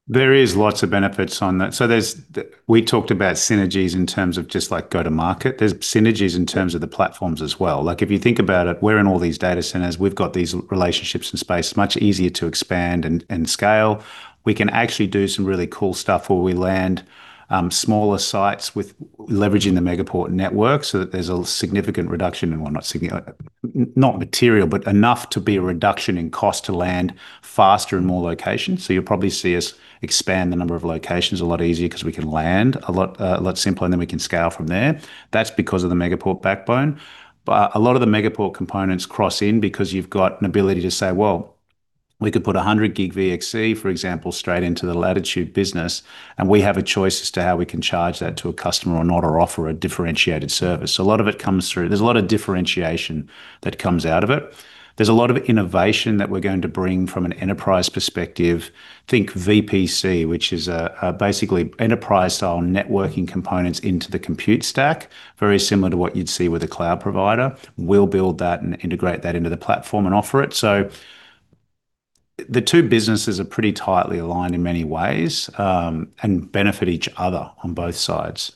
There is lots of benefits on that. So there's we talked about synergies in terms of just, like, go to market. There's synergies in terms of the platforms as well. Like, if you think about it, we're in all these data centers, we've got these relationships in space, much easier to expand and scale. We can actually do some really cool stuff where we land smaller sites with leveraging the Megaport network, so that there's a significant reduction, and well, not material, but enough to be a reduction in cost to land faster in more locations. So you'll probably see us expand the number of locations a lot easier 'cause we can land a lot, a lot simpler, and then we can scale from there. That's because of the Megaport backbone. But a lot of the Megaport components cross in because you've got an ability to say, "Well, we could put a 100-gig VXC," for example, "straight into the Latitude business," and we have a choice as to how we can charge that to a customer or not, or offer a differentiated service. So a lot of it comes through. There's a lot of differentiation that comes out of it. There's a lot of innovation that we're going to bring from an enterprise perspective. Think VPC, which is a basically enterprise-style networking components into the compute stack, very similar to what you'd see with a cloud provider. We'll build that and integrate that into the platform and offer it. So, the two businesses are pretty tightly aligned in many ways, and benefit each other on both sides.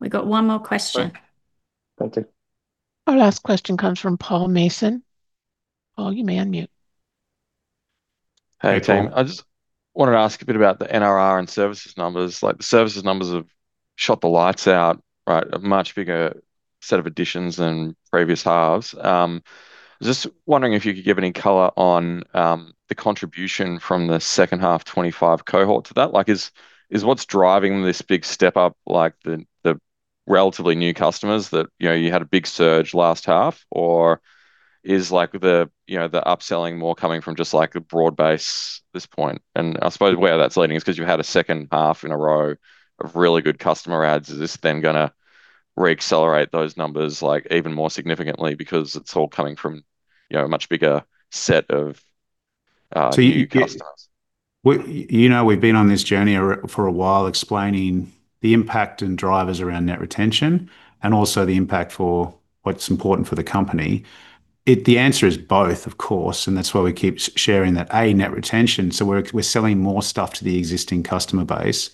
We've got one more question. Thank you. Our last question comes from Paul Mason. Paul, you may unmute. Hey, team. I just wanted to ask a bit about the NRR and services numbers. Like, the services numbers have shut the lights out, right? A much bigger set of additions than previous halves. Just wondering if you could give any color on the contribution from the second half 25 cohort to that. Like, is, is what's driving this big step up, like, the, the relatively new customers that, you know, you had a big surge last half? Or is, like, the, you know, the upselling more coming from just, like, the broad base at this point? And I suppose where that's leading is because you had a second half in a row of really good customer adds, is this then gonna re-accelerate those numbers, like, even more significantly because it's all coming from, you know, a much bigger set of new customers? Well, you know, we've been on this journey for a while, explaining the impact and drivers around net retention, and also the impact for what's important for the company. The answer is both, of course, and that's why we keep sharing that, A, net retention, so we're selling more stuff to the existing customer base,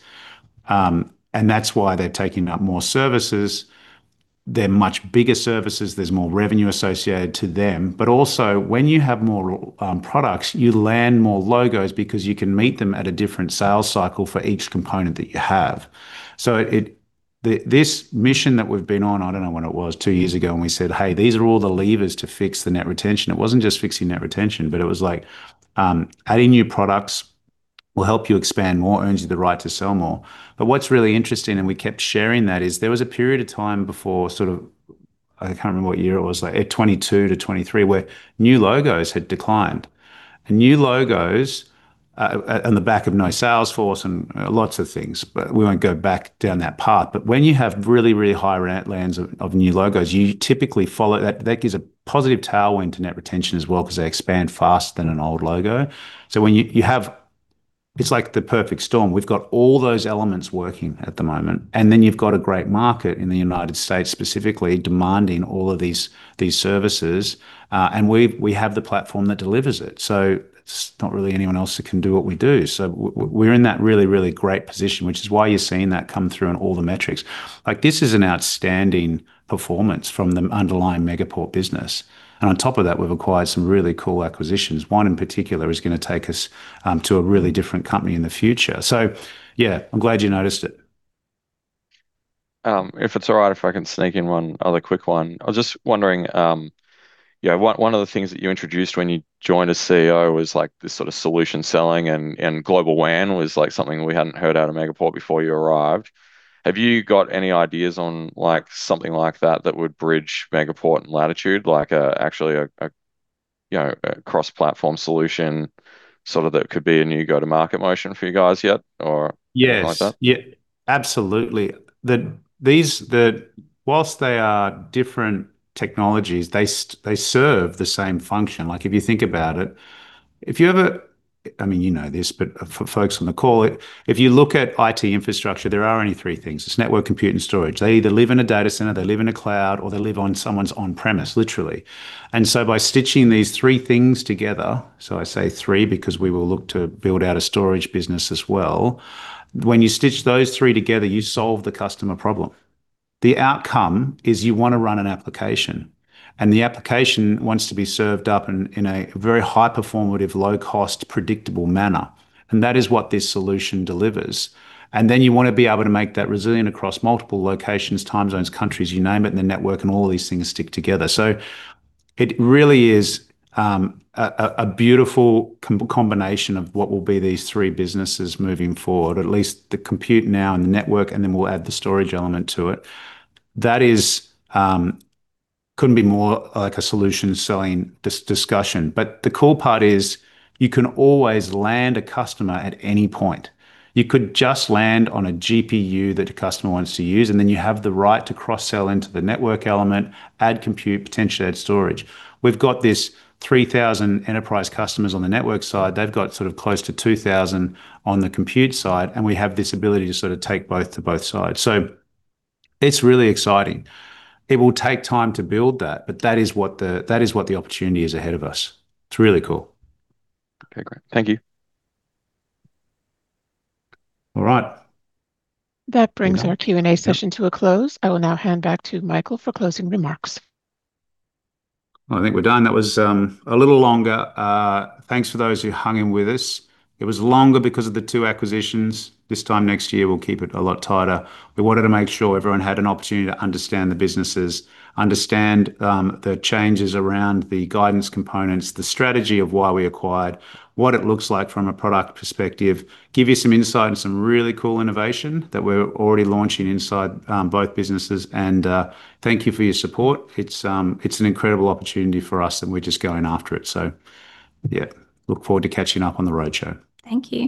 and that's why they're taking up more services. They're much bigger services, there's more revenue associated to them. But also, when you have more products, you land more logos because you can meet them at a different sales cycle for each component that you have. So it... This mission that we've been on, I don't know when it was, two years ago, and we said, "Hey, these are all the levers to fix the net retention." It wasn't just fixing net retention, but it was like adding new products will help you expand more, earns you the right to sell more. But what's really interesting, and we kept sharing that, is there was a period of time before, sort of, I can't remember what year it was, like 2022-2023, where new logos had declined. And new logos on the back of no sales force and lots of things, but we won't go back down that path. But when you have really, really high lands of new logos, you typically follow. That gives a positive tailwind to net retention as well, because they expand faster than an old logo. So when you have... It's like the perfect storm. We've got all those elements working at the moment, and then you've got a great market in the United States, specifically demanding all of these services, and we have the platform that delivers it. So there's not really anyone else that can do what we do. So we're in that really, really great position, which is why you're seeing that come through in all the metrics. Like, this is an outstanding performance from the underlying Megaport business, and on top of that, we've acquired some really cool acquisitions. One, in particular, is gonna take us to a really different company in the future. So, yeah, I'm glad you noticed it. If it's all right, if I can sneak in one other quick one. I was just wondering, you know, one of the things that you introduced when you joined as CEO was, like, this sort of solution selling, and, and Global WAN was, like, something we hadn't heard out of Megaport before you arrived. Have you got any ideas on, like, something like that, that would bridge Megaport and Latitude, like, actually a, you know, a cross-platform solution, sort of, that could be a new go-to-market motion for you guys yet, or- Yes. Something like that? Yeah, absolutely. These, while they are different technologies, they serve the same function. Like, if you think about it, I mean, you know this, but for folks on the call, if you look at IT infrastructure, there are only three things: it's network, compute, and storage. They either live in a data center, they live in a cloud, or they live on someone's on-premises, literally. And so by stitching these three things together, so I say three because we will look to build out a storage business as well, when you stitch those three together, you solve the customer problem. The outcome is you want to run an application, and the application wants to be served up in a very high-performance, low-cost, predictable manner, and that is what this solution delivers. And then you want to be able to make that resilient across multiple locations, time zones, countries, you name it, and the network, and all of these things stick together. So it really is a beautiful combination of what will be these three businesses moving forward, at least the compute now and the network, and then we'll add the storage element to it. That is, couldn't be more like a solution selling discussion. But the cool part is, you can always land a customer at any point. You could just land on a GPU that a customer wants to use, and then you have the right to cross-sell into the network element, add compute, potentially add storage. We've got this 3,000 enterprise customers on the network side. They've got sort of close to 2,000 on the compute side, and we have this ability to sort of take both to both sides. So it's really exciting. It will take time to build that, but that is what the, that is what the opportunity is ahead of us. It's really cool. Okay, great. Thank you. All right. That brings our Q&A session to a close. I will now hand back to Michael for closing remarks. I think we're done. That was a little longer. Thanks for those who hung in with us. It was longer because of the two acquisitions. This time next year, we'll keep it a lot tighter. We wanted to make sure everyone had an opportunity to understand the businesses, understand the changes around the guidance components, the strategy of why we acquired, what it looks like from a product perspective, give you some insight on some really cool innovation that we're already launching inside both businesses. Thank you for your support. It's an incredible opportunity for us, and we're just going after it. Yeah, look forward to catching up on the roadshow. Thank you.